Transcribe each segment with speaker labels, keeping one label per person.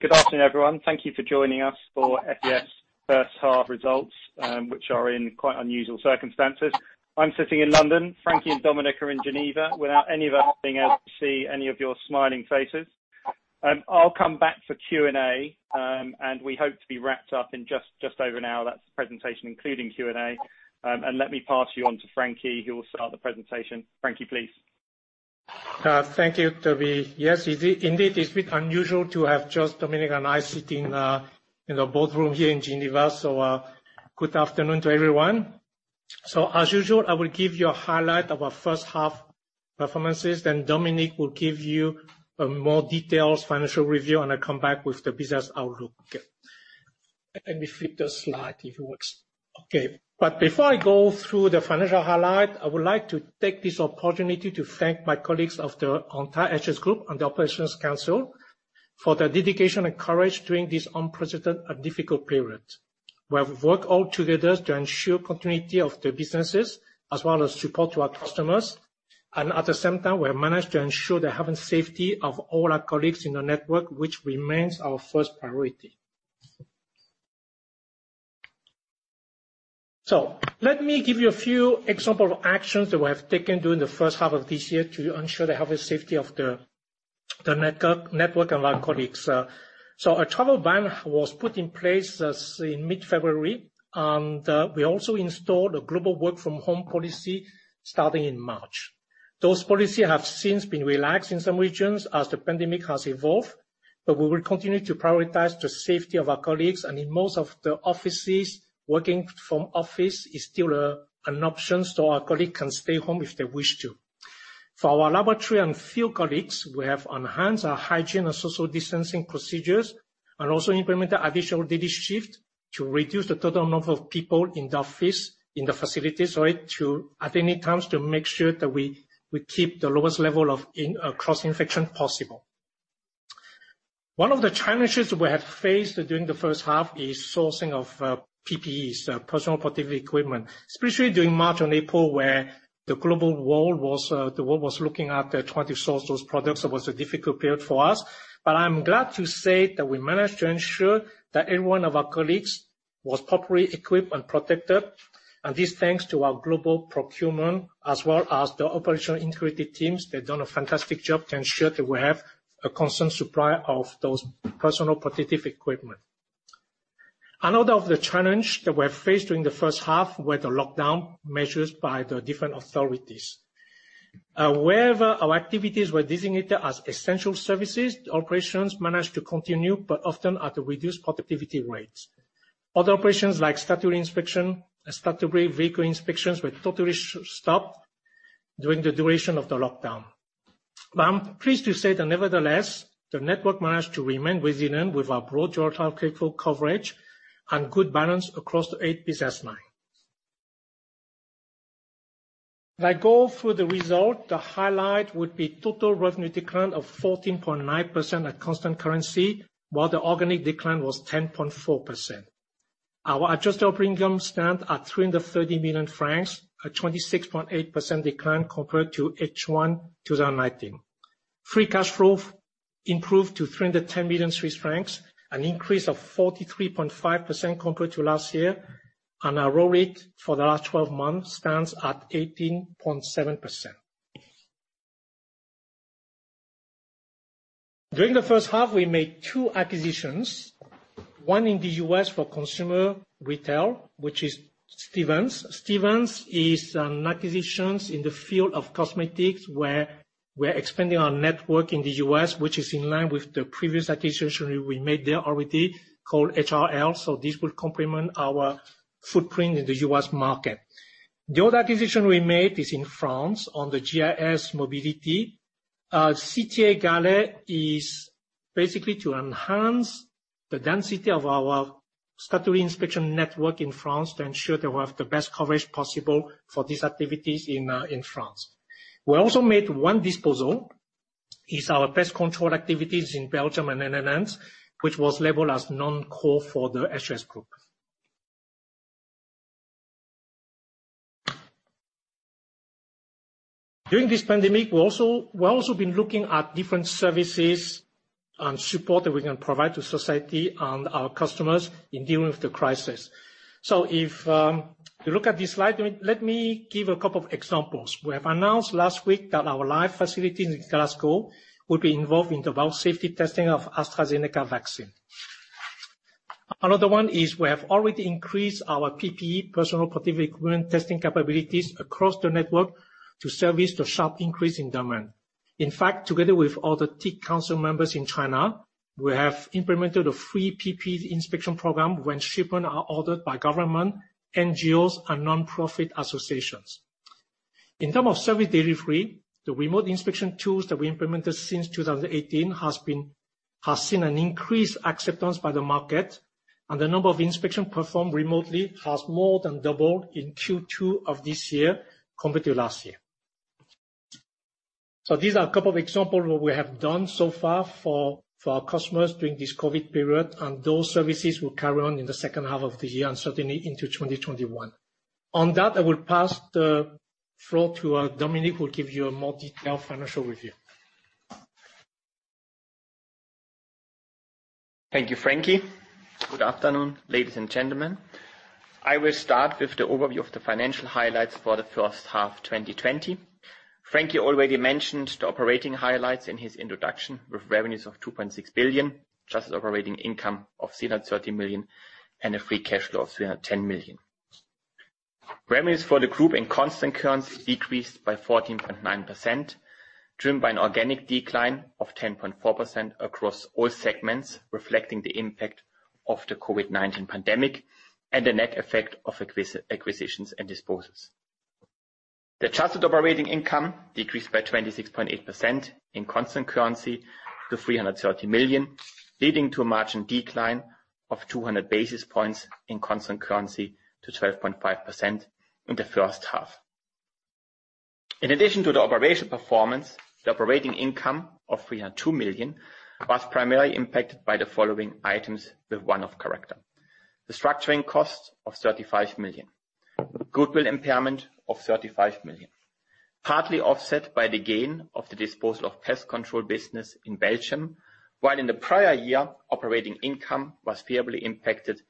Speaker 1: Good afternoon, everyone. Thank you for joining us for SGS first half results, which are in quite unusual circumstances. I'm sitting in London. Frankie and Dominik are in Geneva, without any of us being able to see any of your smiling faces. I'll come back for Q&A, and we hope to be wrapped up in just over an hour. That's the presentation, including Q&A. Let me pass you on to Frankie, who will start the presentation. Frankie, please.
Speaker 2: Thank you, Toby. Yes, indeed, it's a bit unusual to have just Dominik and I sitting in the boardroom here in Geneva. Good afternoon to everyone. As usual, I will give you a highlight of our first half performances, then Dominik will give you a more detailed financial review, and I come back with the business outlook. Let me flip the slide if it works. Okay. Before I go through the financial highlight, I would like to take this opportunity to thank my colleagues of the entire SGS Group and the Operations Council for their dedication and courage during this unprecedented and difficult period. We have worked all together to ensure continuity of the businesses, as well as support to our customers. At the same time, we have managed to ensure the health and safety of all our colleagues in the network, which remains our first priority. Let me give you a few examples of actions that we have taken during the first half of this year to ensure the health and safety of the network and our colleagues. A travel ban was put in place in mid-February, and we also installed a global work from home policy starting in March. Those policies have since been relaxed in some regions as the pandemic has evolved. We will continue to prioritize the safety of our colleagues, and in most of the offices, working from office is still an option, so our colleagues can stay home if they wish to. For our laboratory and field colleagues, we have enhanced our hygiene and social distancing procedures and also implemented additional duty shift to reduce the total number of people in the office, in the facilities at any times to make sure that we keep the lowest level of cross-infection possible. One of the challenges we have faced during the first half is sourcing of PPEs, Personal Protective Equipment, especially during March and April where the global world was looking at trying to source those products. It was a difficult period for us, but I'm glad to say that we managed to ensure that every one of our colleagues was properly equipped and protected. This thanks to our global procurement as well as the operational integrated teams. They've done a fantastic job to ensure that we have a constant supply of those Personal Protective Equipment. Another of the challenge that we have faced during the first half were the lockdown measures by the different authorities. Wherever our activities were designated as essential services, the operations managed to continue, but often at a reduced productivity rate. Other operations like statutory inspection, statutory vehicle inspections were totally stopped during the duration of the lockdown. I'm pleased to say that nevertheless, the network managed to remain resilient with our broad geographical coverage and good balance across the eight business line. If I go through the result, the highlight would be total revenue decline of 14.9% at constant currency, while the organic decline was 10.4%. Our adjusted operating income stand at 330 million francs, a 26.8% decline compared to H1 2019. Free cash flow improved to 310 million Swiss francs, an increase of 43.5% compared to last year. Our ROIC for the last 12 months stands at 18.7%. During the first half, we made two acquisitions, one in the U.S. for consumer retail, which is Stephens. Stephens is an acquisitions in the field of cosmetics where we're expanding our network in the U.S., which is in line with the previous acquisition we made there already called HRL. This will complement our footprint in the U.S. market. The other acquisition we made is in France on the GIS mobility. CTA Gallet is basically to enhance the density of our statutory inspection network in France to ensure that we have the best coverage possible for these activities in France. We also made one disposal, is our pest control activities in Belgium and the Netherlands, which was labeled as non-core for the SGS group. During this pandemic, we're also been looking at different services and support that we can provide to society and our customers in dealing with the crisis. If you look at this slide, let me give a couple of examples. We have announced last week that our Life Science Services facility in Glasgow will be involved in the biosafety testing of AstraZeneca vaccine. Another one is we have already increased our PPE, Personal Protective Equipment, testing capabilities across the network to service the sharp increase in demand. In fact, together with other TIC Council members in China, we have implemented a free PPE inspection program when shipment are ordered by government, NGOs, and nonprofit associations. In term of service delivery, the remote inspection tools that we implemented since 2018 has seen an increased acceptance by the market. The number of inspection performed remotely has more than doubled in Q2 of this year compared to last year. These are a couple of examples what we have done so far for our customers during this COVID period, and those services will carry on in the second half of the year and certainly into 2021. On that, I will pass the floor to Dominik, who will give you a more detailed financial review.
Speaker 3: Thank you, Frankie. Good afternoon, ladies and gentlemen. I will start with the overview of the financial highlights for the first half 2020. Frankie already mentioned the operating highlights in his introduction, with revenues of 2.6 billion, adjusted operating income of 330 million, and a free cash flow of 310 million. Revenues for the group in constant currency decreased by 14.9%, driven by an organic decline of 10.4% across all segments, reflecting the impact of the COVID-19 pandemic and the net effect of acquisitions and disposals. The adjusted operating income decreased by 26.8% in constant currency to 330 million, leading to a margin decline of 200 basis points in constant currency to 12.5% in the first half. In addition to the operational performance, the operating income of 302 million was primarily impacted by the following items with one-off character. Restructuring cost of 35 million. Goodwill impairment of 35 million, partly offset by the gain of the disposal of pest control business in Belgium, while in the prior year, operating income was favorably impacted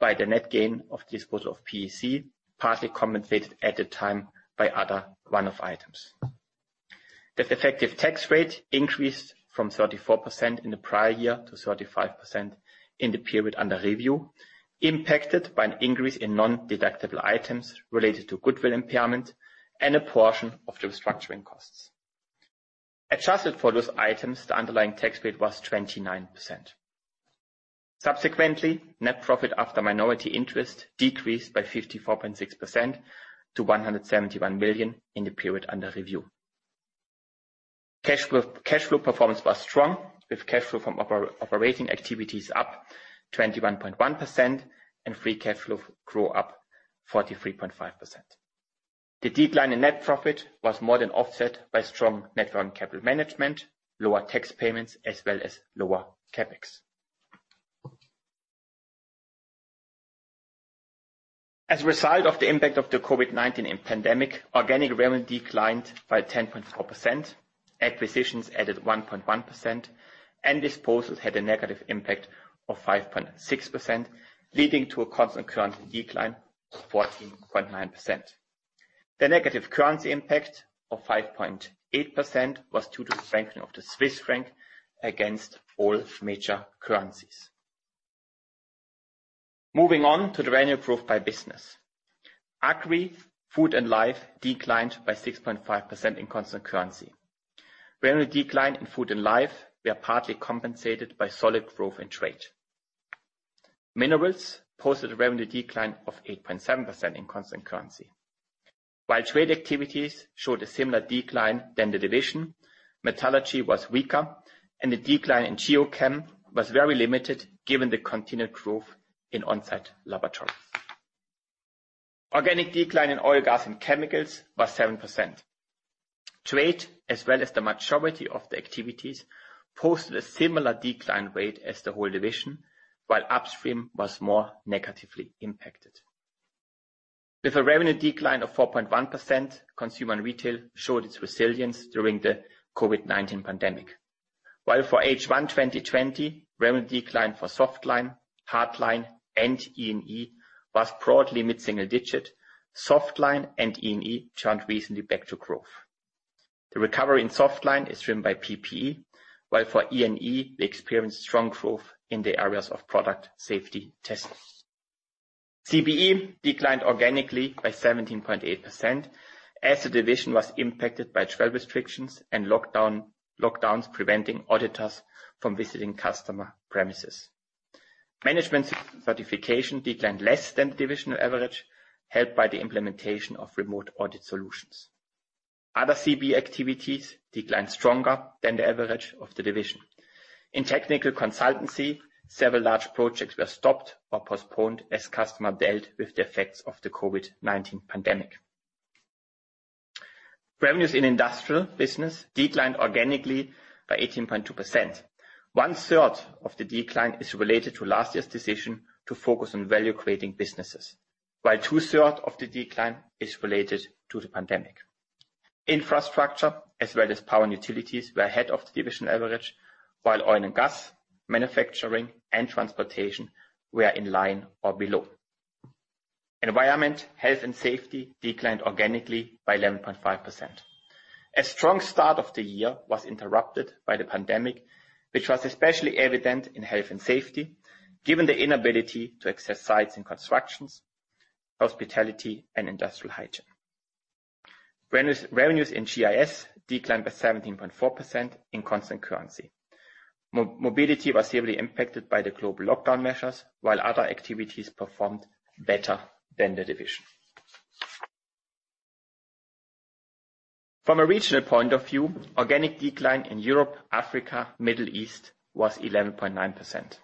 Speaker 3: by the net gain of disposal of PSC, partly compensated at the time by other one-off items. The effective tax rate increased from 34% in the prior year to 35% in the period under review, impacted by an increase in non-deductible items related to goodwill impairment and a portion of the restructuring costs. Adjusted for those items, the underlying tax rate was 29%. Subsequently, net profit after minority interest decreased by 54.6% to 171 million in the period under review. Cash flow performance was strong, with cash flow from operating activities up 21.1% and free cash flow grew up 43.5%. The decline in net profit was more than offset by strong net working capital management, lower tax payments, as well as lower CapEx. As a result of the impact of the COVID-19 pandemic, organic revenue declined by 10.4%, acquisitions added 1.1%, and disposals had a negative impact of 5.6%, leading to a constant currency decline of 14.9%. The negative currency impact of 5.8% was due to the strengthening of the Swiss franc against all major currencies. Moving on to the revenue growth by business. Agri, Food and Life declined by 6.5% in constant currency. Revenue decline in Food and Life were partly compensated by solid growth in trade. Minerals posted a revenue decline of 8.7% in constant currency. While trade activities showed a similar decline than the division, metallurgy was weaker, and the decline in Geochem was very limited given the continued growth in on-site laboratories. Organic decline in Oil, Gas and Chemicals was 7%. Trade, as well as the majority of the activities, posted a similar decline rate as the whole division, while upstream was more negatively impacted. With a revenue decline of 4.1%, Consumer and Retail showed its resilience during the COVID-19 pandemic. While for H1 2020, revenue decline for softline, hardline, and E&E was broadly mid-single digit, softline and E&E turned recently back to growth. The recovery in softline is driven by PPE, while for E&E, we experienced strong growth in the areas of product safety tests. CBE declined organically by 17.8% as the division was impacted by travel restrictions and lockdowns preventing auditors from visiting customer premises. Management certification declined less than the divisional average, helped by the implementation of remote audit solutions. Other CBE activities declined stronger than the average of the division. In technical consultancy, several large projects were stopped or postponed as customer dealt with the effects of the COVID-19 pandemic. Revenues in Industrial business declined organically by 18.2%. One third of the decline is related to last year's decision to focus on value-creating businesses, while two third of the decline is related to the pandemic. Infrastructure as well as Power and Utilities were ahead of the division average, while Oil and Gas, Manufacturing, and Transportation were in line or below. Environment, Health and Safety declined organically by 11.5%. A strong start of the year was interrupted by the pandemic, which was especially evident in health and safety given the inability to access sites and constructions, hospitality and industrial hygiene. Revenues in GIS declined by 17.4% in constant currency. Mobility was heavily impacted by the global lockdown measures, while other activities performed better than the division. From a regional point of view, organic decline in Europe, Africa, Middle East was 11.9%.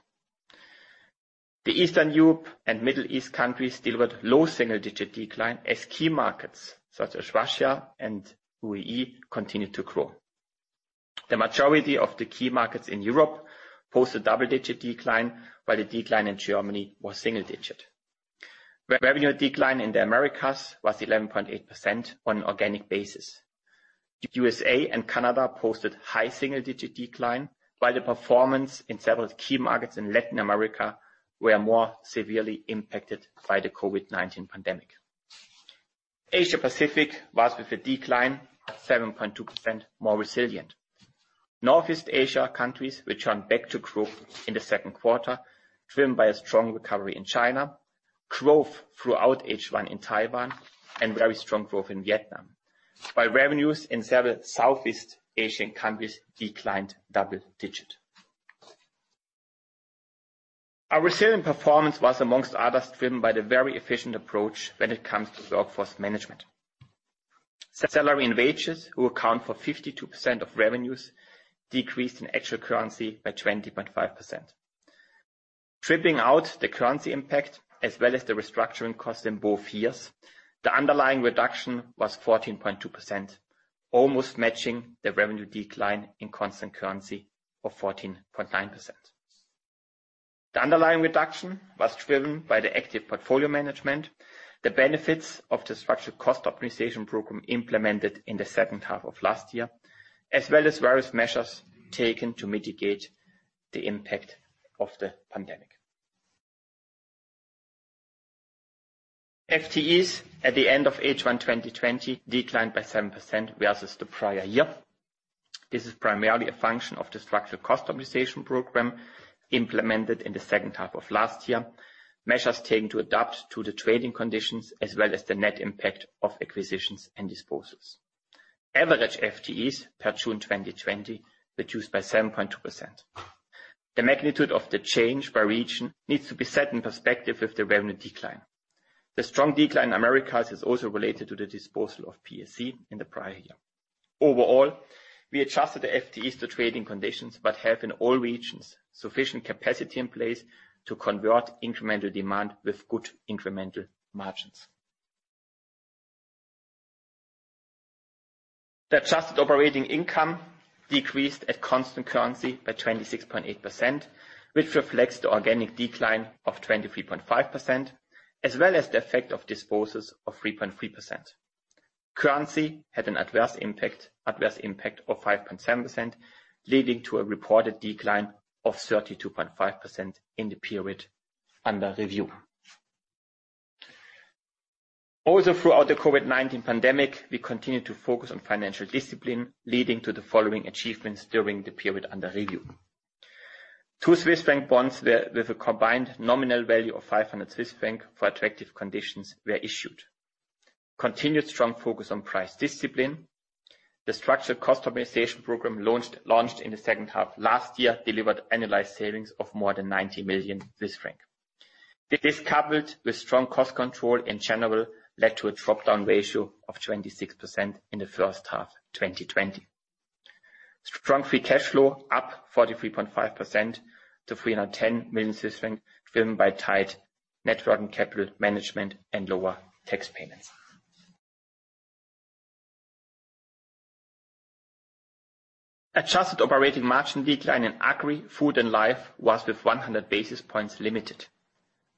Speaker 3: The Eastern Europe and Middle East countries delivered low single-digit decline as key markets such as Russia and UAE continued to grow. The majority of the key markets in Europe post a double-digit decline, while the decline in Germany was single digit. Revenue decline in the Americas was 11.8% on an organic basis. USA and Canada posted high single-digit decline, while the performance in several key markets in Latin America were more severely impacted by the COVID-19 pandemic. Asia Pacific was, with a decline of 7.2%, more resilient. Northeast Asia countries returned back to growth in the second quarter, driven by a strong recovery in China, growth throughout H1 in Taiwan, and very strong growth in Vietnam. While revenues in several Southeast Asian countries declined double digit. Our resilient performance was, amongst others, driven by the very efficient approach when it comes to workforce management. Salary and wages, who account for 52% of revenues, decreased in actual currency by 20.5%. Stripping out the currency impact as well as the restructuring cost in both years, the underlying reduction was 14.2%, almost matching the revenue decline in constant currency of 14.9%. The underlying reduction was driven by the active portfolio management, the benefits of the structural cost optimization program implemented in the second half of last year, as well as various measures taken to mitigate the impact of the pandemic. FTEs at the end of H1 2020 declined by 7% versus the prior year. This is primarily a function of the structural cost optimization program implemented in the second half of last year, measures taken to adapt to the trading conditions, as well as the net impact of acquisitions and disposals. Average FTEs per June 2020 reduced by 7.2%. The magnitude of the change by region needs to be set in perspective with the revenue decline. The strong decline in Americas is also related to the disposal of PSC in the prior year. Overall, we adjusted the FTEs to trading conditions, have, in all regions, sufficient capacity in place to convert incremental demand with good incremental margins. The adjusted operating income decreased at constant currency by 26.8%, which reflects the organic decline of 23.5%, as well as the effect of disposals of 3.3%. Currency had an adverse impact of 5.7%, leading to a reported decline of 32.5% in the period under review. Also throughout the COVID-19 pandemic, we continued to focus on financial discipline, leading to the following achievements during the period under review. Two CHF bonds with a combined nominal value of 500 million Swiss franc for attractive conditions were issued. Continued strong focus on price discipline. The structural cost optimization program launched in the second half last year delivered annualized savings of more than 90 million. This, coupled with strong cost control in general, led to a drop-down ratio of 26% in the first half 2020. Strong free cash flow up 43.5% to 310 million, driven by tight net working capital management and lower tax payments. Adjusted operating margin decline in Agri, Food, and Life was, with 100 basis points, limited.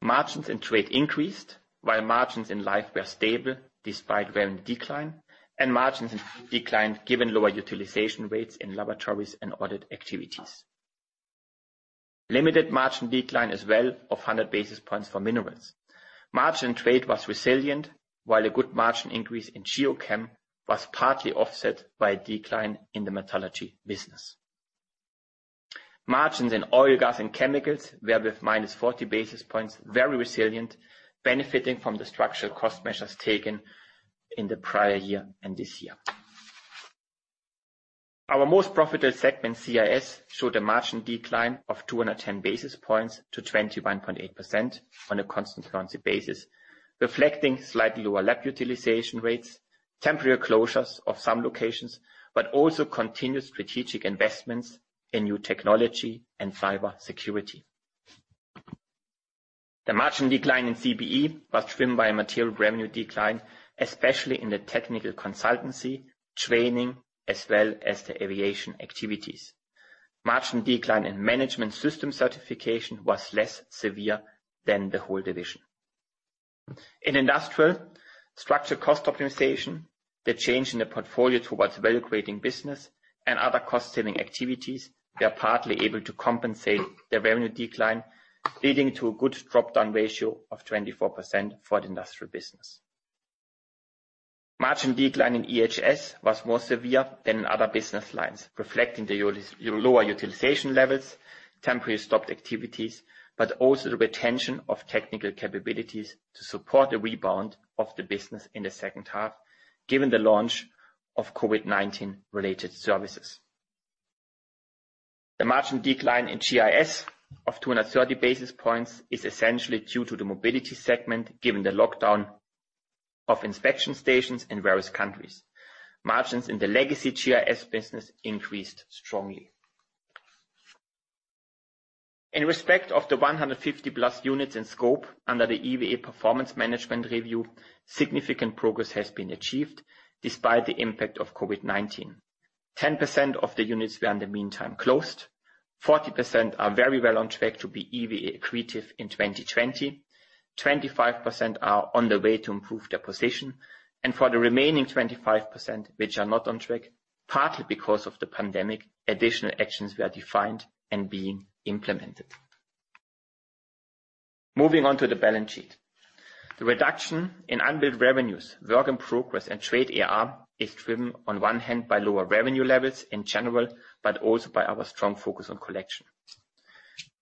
Speaker 3: Margins in Trade increased, while margins in Life were stable despite revenue decline, and margins declined given lower utilization rates in laboratories and audit activities. Limited margin decline as well of 100 basis points for Minerals. Margin Trade was resilient, while a good margin increase in Geochem was partly offset by a decline in the metallurgy business. Margins in Oil, Gas and Chemicals were, with minus 40 basis points, very resilient, benefiting from the structural cost measures taken in the prior year and this year. Our most profitable segment, Industrial, showed a margin decline of 210 basis points to 21.8% on a constant currency basis, reflecting slightly lower lab utilization rates, temporary closures of some locations, but also continued strategic investments in new technology and cybersecurity. The margin decline in CBE was driven by a material revenue decline, especially in the technical consultancy, training, as well as the aviation activities. Margin decline in Management System Certification was less severe than the whole division. In Industrial, structural cost optimization, the change in the portfolio towards value-creating business and other cost-saving activities were partly able to compensate the revenue decline, leading to a good drop-down ratio of 24% for the Industrial business. Margin decline in EHS was more severe than in other business lines, reflecting the lower utilization levels, temporary stopped activities, but also the retention of technical capabilities to support the rebound of the business in the second half given the launch of COVID-19 related services. The margin decline in GIS of 230 basis points is essentially due to the mobility segment, given the lockdown of inspection stations in various countries. Margins in the legacy GIS business increased strongly. In respect of the 150-plus units in scope under the EVA performance management review, significant progress has been achieved despite the impact of COVID-19. 10% of the units were in the meantime closed, 40% are very well on track to be EVA accretive in 2020, 25% are on the way to improve their position, and for the remaining 25%, which are not on track, partly because of the pandemic, additional actions were defined and being implemented. Moving on to the balance sheet. The reduction in unbilled revenues, work in progress, and trade AR is driven on one hand by lower revenue levels in general, but also by our strong focus on collection.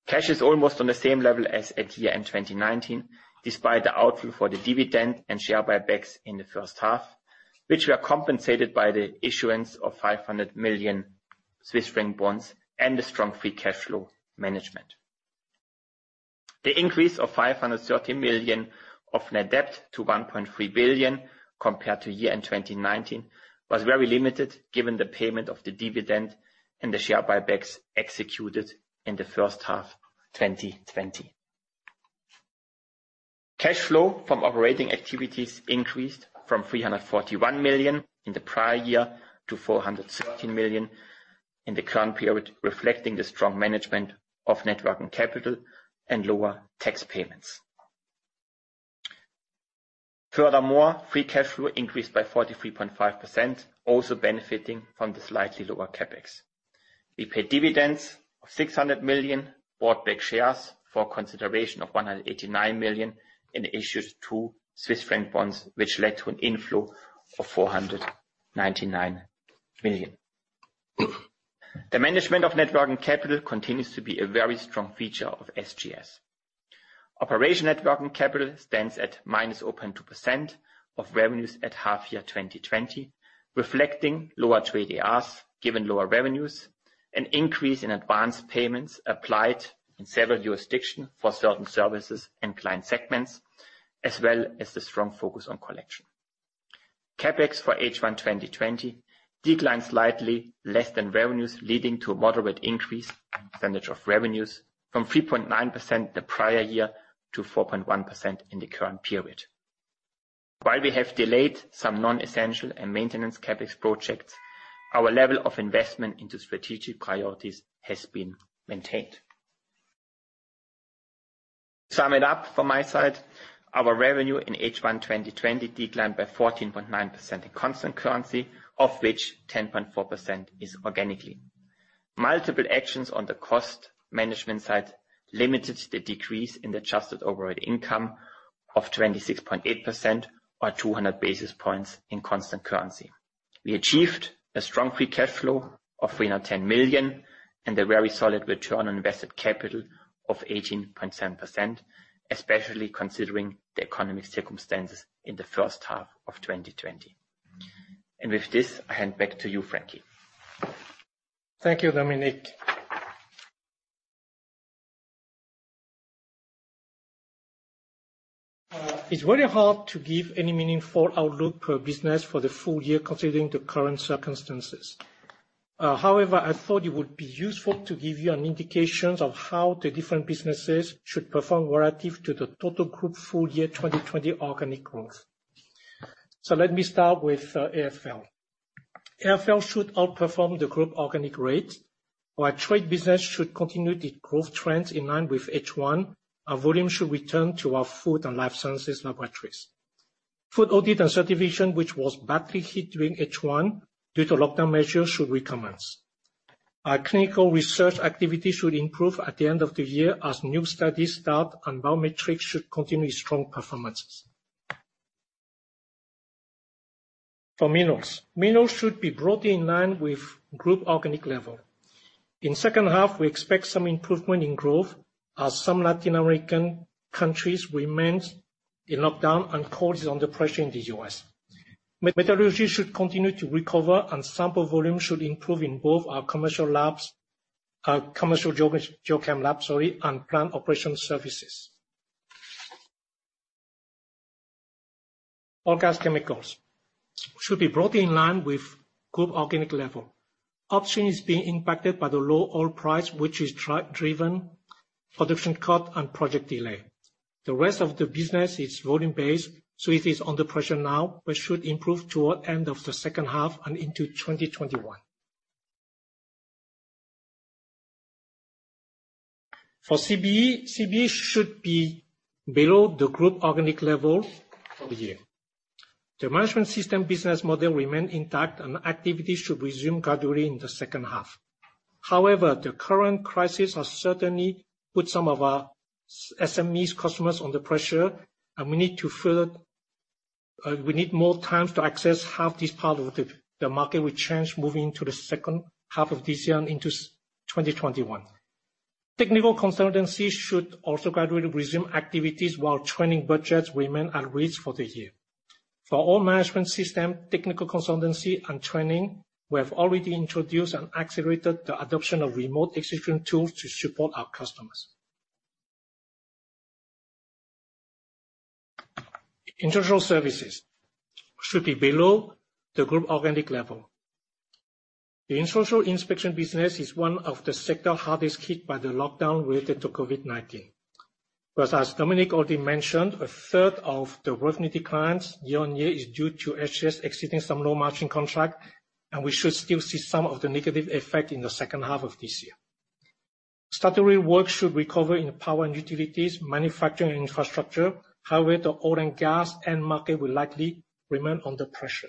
Speaker 3: Cash is almost on the same level as at year-end 2019, despite the outflow for the dividend and share buybacks in the first half, which were compensated by the issuance of 500 million Swiss franc bonds and a strong free cash flow management. The increase of 530 million of net debt to 1.3 billion compared to year-end 2019 was very limited given the payment of the dividend and the share buybacks executed in the first half 2020. Cash flow from operating activities increased from 341 million in the prior year to 417 million in the current period, reflecting the strong management of net working capital and lower tax payments. Furthermore, free cash flow increased by 43.5%, also benefiting from the slightly lower CapEx. We paid dividends of 600 million, bought back shares for consideration of 189 million and issued two Swiss franc bonds, which led to an inflow of 499 million. The management of net working capital continues to be a very strong feature of SGS. Operation net working capital stands at -0.2% of revenues at half year 2020, reflecting lower trade ARs given lower revenues, an increase in advanced payments applied in several jurisdictions for certain services and client segments, as well as the strong focus on collection. CapEx for H1 2020 declined slightly less than revenues, leading to a moderate increase in percentage of revenues from 3.9% the prior year to 4.1% in the current period. While we have delayed some non-essential and maintenance CapEx projects, our level of investment into strategic priorities has been maintained. To sum it up from my side, our revenue in H1 2020 declined by 14.9% in constant currency, of which 10.4% is organically. Multiple actions on the cost management side limited the decrease in the adjusted operating income of 26.8% or 200 basis points in constant currency. We achieved a strong free cash flow of 310 million and a very solid return on invested capital of 18.7%, especially considering the economic circumstances in the first half of 2020. With this, I hand back to you, Frankie.
Speaker 2: Thank you, Dominik. It's very hard to give any meaningful outlook per business for the full year considering the current circumstances. However, I thought it would be useful to give you an indication of how the different businesses should perform relative to the total group full year 2020 organic growth. Let me start with AFL. AFL should outperform the group organic rate. Our trade business should continue the growth trends in line with H1. Our volume should return to our food and Life Sciences laboratories. Food audit and certification, which was badly hit during H1 due to lockdown measures, should recommence. Our clinical research activity should improve at the end of the year as new studies start and biometrics should continue strong performances. For Minerals. Minerals should be broadly in line with group organic level. In second half, we expect some improvement in growth as some Latin American countries remain in lockdown and coal is under pressure in the U.S. Metallurgy should continue to recover. Sample volume should improve in both our commercial labs, commercial Geochem labs, sorry, and plant operations services. Oil, Gas and Chemicals should be broadly in line with group organic level. Oil is being impacted by the low oil price, which has driven production cut and project delay. The rest of the business is volume-based. It is under pressure now, but should improve toward end of the second half and into 2021. For CBE should be below the group organic level for the year. The management system business model remains intact. Activities should resume gradually in the second half. However, the current crisis has certainly put some of our SMEs customers under pressure, and we need more time to assess how this part of the market will change moving to the second half of this year and into 2021. Technical consultancy should also gradually resume activities while training budgets remain at risk for the year. For all management system, technical consultancy, and training, we have already introduced and accelerated the adoption of remote execution tools to support our customers. Industrial services should be below the group organic level. The industrial inspection business is one of the sector hardest hit by the lockdown related to COVID-19. As Dominik already mentioned, a third of the revenue decline year-on-year is due to SGS exiting some low-margin contract, and we should still see some of the negative effect in the second half of this year. Statutory work should recover in power and utilities, manufacturing and infrastructure. The oil and gas end market will likely remain under pressure.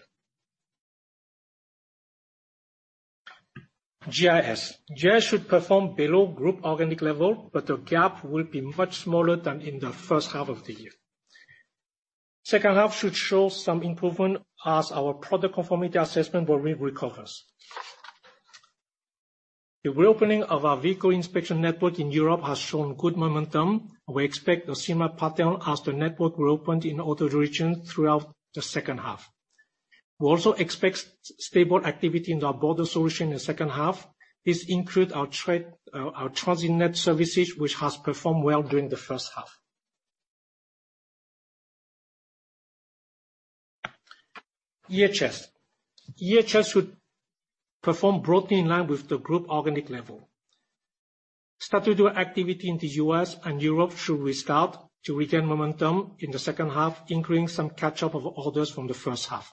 Speaker 2: GIS. GIS should perform below group organic level, but the gap will be much smaller than in the first half of the year. Second half should show some improvement as our product conformity assessment recovery recovers. The reopening of our vehicle inspection network in Europe has shown good momentum. We expect a similar pattern as the network reopened in other regions throughout the second half. We also expect stable activity in our border solution in the second half. This includes our TransitNet services, which has performed well during the first half. EHS. EHS should perform broadly in line with the group organic level. Statutory activity in the U.S. and Europe should restart to regain momentum in the second half, including some catch-up of orders from the first half.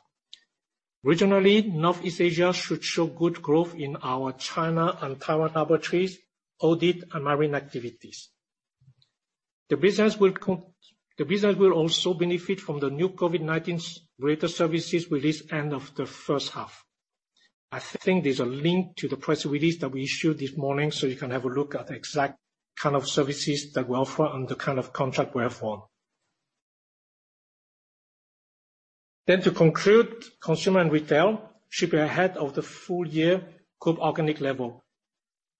Speaker 2: Regionally, Northeast Asia should show good growth in our China and Taiwan laboratories, audit and marine activities. The business will also benefit from the new COVID-19 related services released end of the first half. I think there's a link to the press release that we issued this morning, so you can have a look at the exact kind of services that we offer and the kind of contract we have for. To conclude, Consumer and Retail should be ahead of the full year group organic level.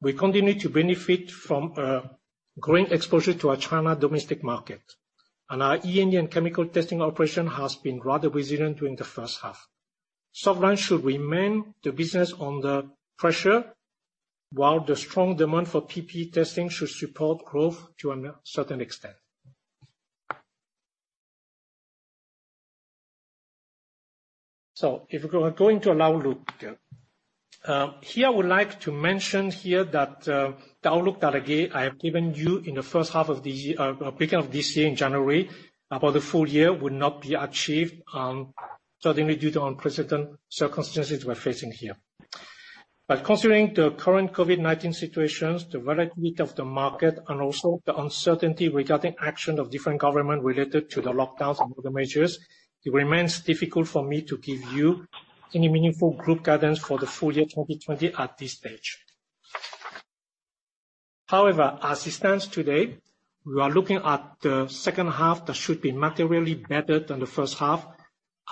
Speaker 2: We continue to benefit from a growing exposure to our China domestic market. Our E&E and chemical testing operation has been rather resilient during the first half. Supply should remain the business under pressure, while the strong demand for PPE testing should support growth to a certain extent. If we go into our outlook. Here, I would like to mention here that the outlook that, again, I have given you in the first half of this year, beginning of this year in January, about the full year will not be achieved, certainly due to unprecedented circumstances we're facing here. Considering the current COVID-19 situations, the volatility of the market, and also the uncertainty regarding action of different government related to the lockdowns and border measures, it remains difficult for me to give you any meaningful group guidance for the full year 2020 at this stage. As it stands today, we are looking at the second half that should be materially better than the first half,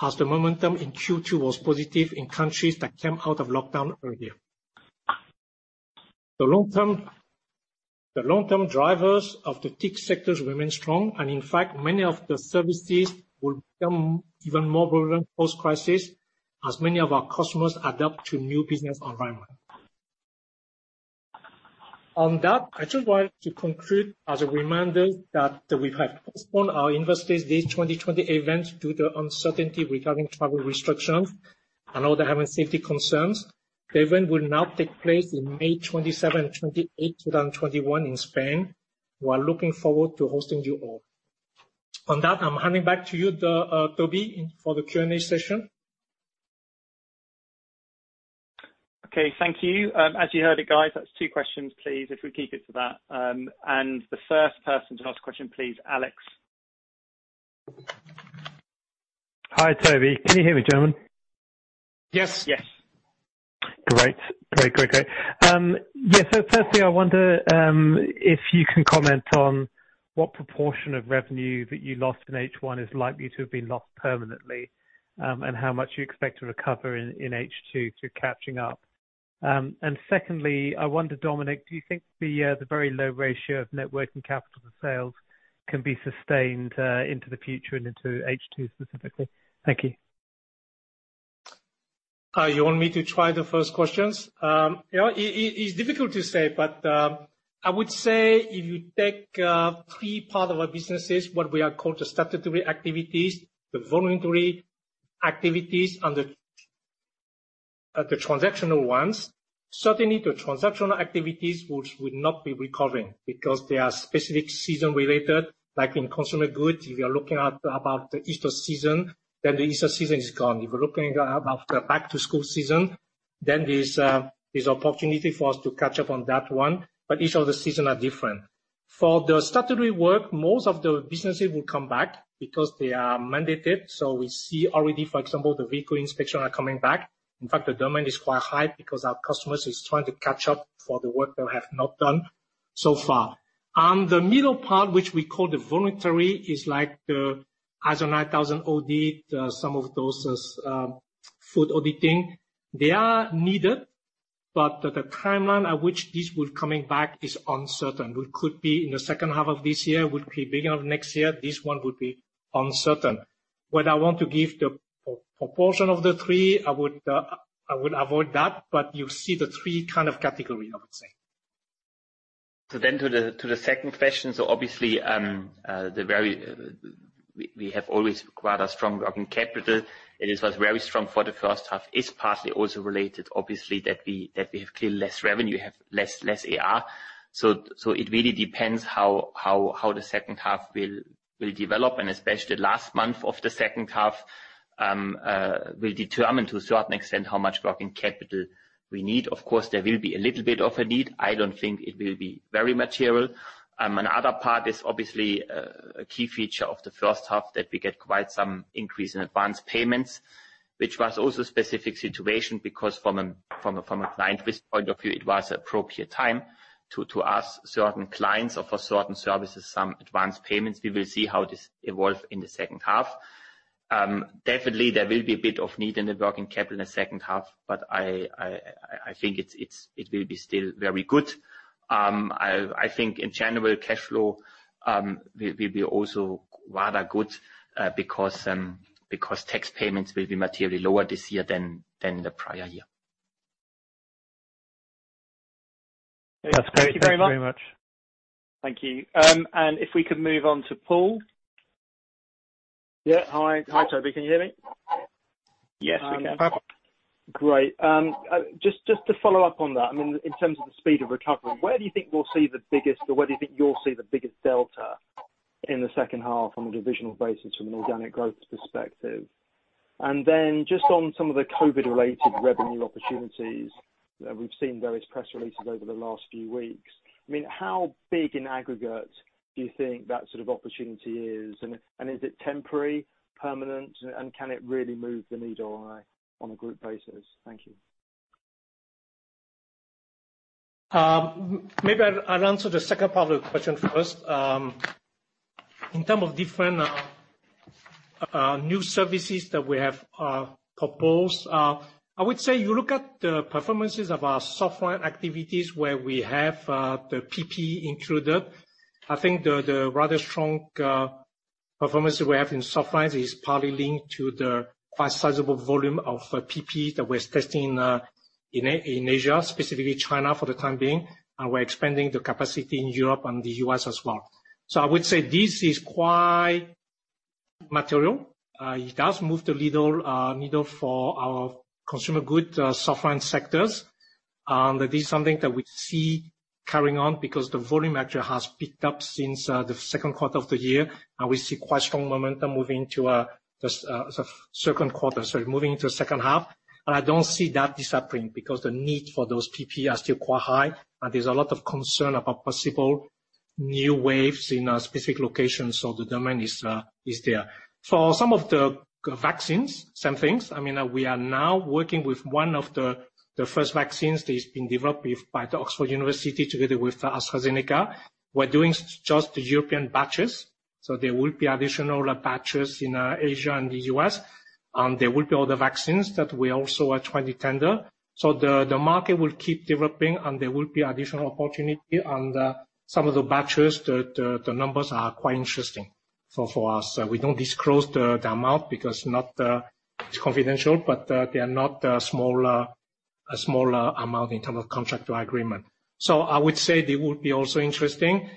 Speaker 2: as the momentum in Q2 was positive in countries that came out of lockdown earlier. The long-term drivers of the TIC sectors remain strong, in fact, many of the services will become even more relevant post-crisis as many of our customers adapt to new business environment. On that, I just want to conclude as a reminder that we have postponed our Investors' Day 2020 event due to the uncertainty regarding travel restrictions and other health and safety concerns. The event will now take place in May 27 and 28, 2021 in Spain. We are looking forward to hosting you all. On that, I'm handing back to you, Toby, for the Q&A session.
Speaker 1: Okay. Thank you. As you heard it, guys, that's two questions, please, if we keep it to that. The first person to ask a question, please, Alex.
Speaker 4: Hi, Toby. Can you hear me gentlemen?
Speaker 2: Yes.
Speaker 1: Yes.
Speaker 4: Great. Yeah. Firstly, I wonder if you can comment on what proportion of revenue that you lost in H1 is likely to have been lost permanently, and how much you expect to recover in H2 through catching up. Secondly, I wonder, Dominik, do you think the very low ratio of net working capital to sales can be sustained into the future and into H2 specifically? Thank you.
Speaker 2: You want me to try the first questions? It's difficult to say, but I would say if you take three part of our businesses, what we are call the statutory activities, the voluntary activities, and the transactional ones. Certainly, the transactional activities would not be recovering because they are specific season-related, like in consumer goods. If you are looking at about the Easter season, then the Easter season is gone. If you're looking about the back-to-school season, then there's opportunity for us to catch up on that one. Each of the season are different. We see already, for example, the vehicle inspection are coming back. In fact, the demand is quite high because our customers is trying to catch up for the work they have not done so far. The middle part, which we call the voluntary, is like the ISO 9000 audit, some of those food auditing. They are needed, the timeline at which this will coming back is uncertain. It could be in the second half of this year, could be beginning of next year. This one would be uncertain. What I want to give the proportion of the three, I would avoid that, but you see the three category, I would say.
Speaker 3: To the second question. Obviously, we have always required a strong working capital. It was very strong for the first half. It's partly also related, obviously, that we have clearly less revenue, have less AR. It really depends how the second half will develop, and especially the last month of the second half will determine to a certain extent how much working capital we need. Of course, there will be a little bit of a need. I don't think it will be very material. Another part is obviously a key feature of the first half that we get quite some increase in advance payments, which was also a specific situation because from a client risk point of view, it was appropriate time to ask certain clients or for certain services some advance payments. We will see how this evolve in the second half. Definitely, there will be a bit of need in the working capital in the second half, but I think it will be still very good. I think in general, cash flow will be also rather good, because tax payments will be materially lower this year than the prior year.
Speaker 4: That's great. Thank you very much.
Speaker 1: Thank you very much. Thank you. If we could move on to Paul.
Speaker 4: Yeah. Hi, Toby. Can you hear me?
Speaker 2: Yes, we can.
Speaker 4: Great. Just to follow up on that, in terms of the speed of recovery, where do you think we'll see the biggest or where do you think you'll see the biggest delta in the second half on a divisional basis from an organic growth perspective? Then just on some of the COVID-19 related revenue opportunities, we've seen various press releases over the last few weeks. How big in aggregate do you think that sort of opportunity is? Is it temporary, permanent, and can it really move the needle on a group basis? Thank you.
Speaker 2: Maybe I'll answer the second part of the question first. In terms of different new services that we have proposed, I would say you look at the performances of our Softlines activities where we have the PPE included. I think the rather strong performance we have in Softlines is partly linked to the quite sizable volume of PPE that we're testing in Asia, specifically China for the time being, and we're expanding the capacity in Europe and the U.S. as well. I would say this is quite material. It does move the needle for our consumer goods Softlines sectors. This is something that we see carrying on because the volume actually has picked up since the second quarter of the year, and we see quite strong momentum moving into second half. I don't see that disappearing because the need for those PPE are still quite high, and there's a lot of concern about possible new waves in specific locations. The demand is there. For some of the vaccines, some things, we are now working with one of the first vaccines that has been developed by the Oxford University together with AstraZeneca. We're doing just the European batches, so there will be additional batches in Asia and the U.S., and there will be other vaccines that we also are trying to tender. The market will keep developing, and there will be additional opportunity. Some of the batches, the numbers are quite interesting for us. We don't disclose the amount because it's confidential, but they are not a small amount in term of contractual agreement. I would say they would be also interesting.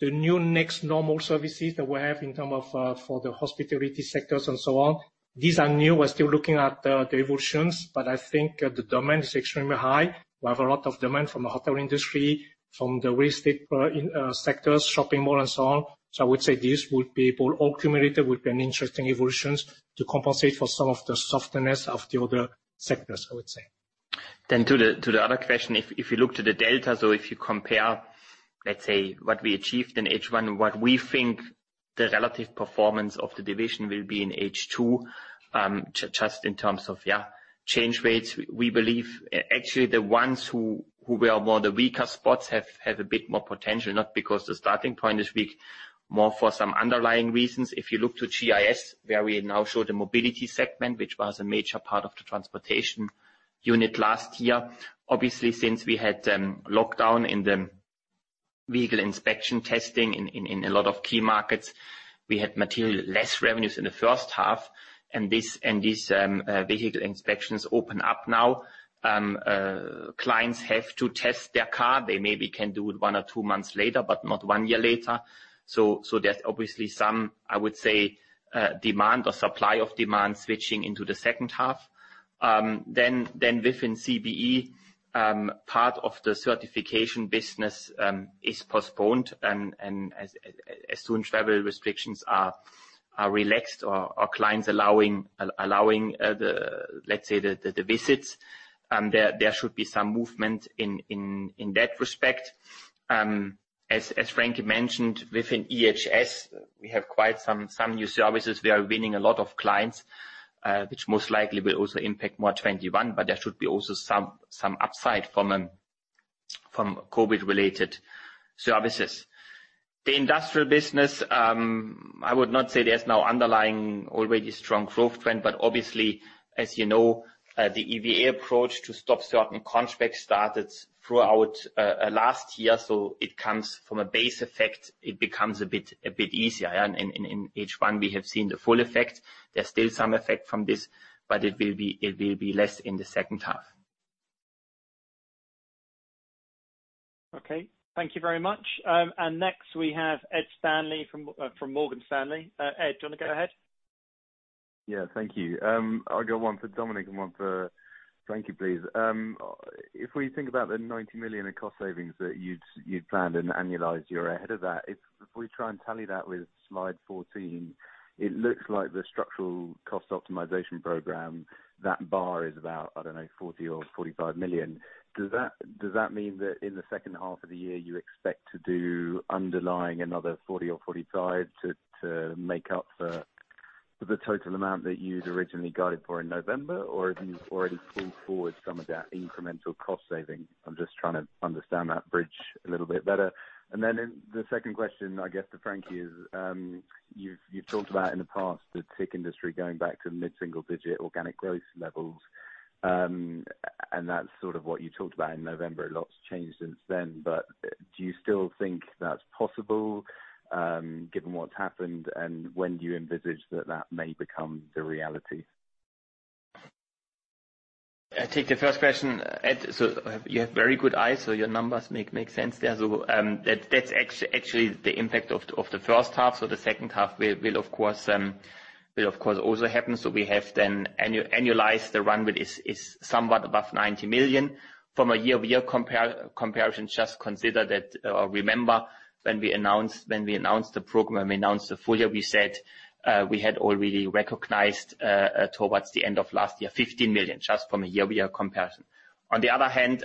Speaker 2: The new next normal services that we have in term of for the hospitality sectors and so on, these are new. We're still looking at the evolutions, but I think the demand is extremely high. We have a lot of demand from the hotel industry, from the real estate sectors, shopping mall and so on. I would say these would be all accumulated, would be an interesting evolutions to compensate for some of the softness of the other sectors, I would say.
Speaker 3: To the other question, if you look to the delta, if you compare, let's say, what we achieved in H1, what we think the relative performance of the division will be in H2, just in terms of change rates. We believe actually the ones who were more the weaker spots have a bit more potential, not because the starting point is weak, more for some underlying reasons. If you look to GIS, where we now show the mobility segment, which was a major part of the transportation unit last year. Obviously, since we had lockdown in the vehicle inspection testing in a lot of key markets, we had materially less revenues in the first half, and these vehicle inspections open up now. Clients have to test their car. They maybe can do it one or two months later, but not one year later. There's obviously some, I would say, demand or supply of demand switching into the second half. Within CBE, part of the certification business is postponed and as soon as travel restrictions are relaxed or clients allowing, let's say, the visits, there should be some movement in that respect. As Frankie mentioned, within EHS, we have quite some new services. We are winning a lot of clients, which most likely will also impact more 2021, but there should be also some upside from COVID-related services. The Industrial business, I would not say there's now underlying already strong growth trend, but obviously, as you know, the EVA approach to stop certain contracts started throughout last year. It comes from a base effect. It becomes a bit easier. In H1, we have seen the full effect. There's still some effect from this, but it will be less in the second half.
Speaker 1: Okay. Thank you very much. Next we have Ed Stanley from Morgan Stanley. Ed, do you want to go ahead?
Speaker 5: Thank you. I've got one for Dominik and one for Frankie, please. If we think about the 90 million in cost savings that you'd planned and annualized, you're ahead of that. If we try and tally that with slide 14, it looks like the structural cost optimization program, that bar is about, I don't know, 40 million or 45 million. Does that mean that in the second half of the year, you expect to do underlying another 40 or 45 to make up for the total amount that you'd originally guided for in November? Have you already pulled forward some of that incremental cost saving? I'm just trying to understand that bridge a little bit better. In the second question, I guess to Frankie is, you've talked about in the past the tech industry going back to mid-single digit organic growth levels. That's sort of what you talked about in November. A lot's changed since then. Do you still think that's possible, given what's happened? When do you envisage that that may become the reality?
Speaker 3: I take the first question, Ed. You have very good eyes, so your numbers make sense there. That's actually the impact of the first half. The second half will, of course, also happen. We have then annualized the run rate is somewhat above 90 million. From a year-over-year comparison, just consider that or remember when we announced the program, when we announced the full year, we said we had already recognized towards the end of last year, 15 million, just from a year-over-year comparison. On the other hand,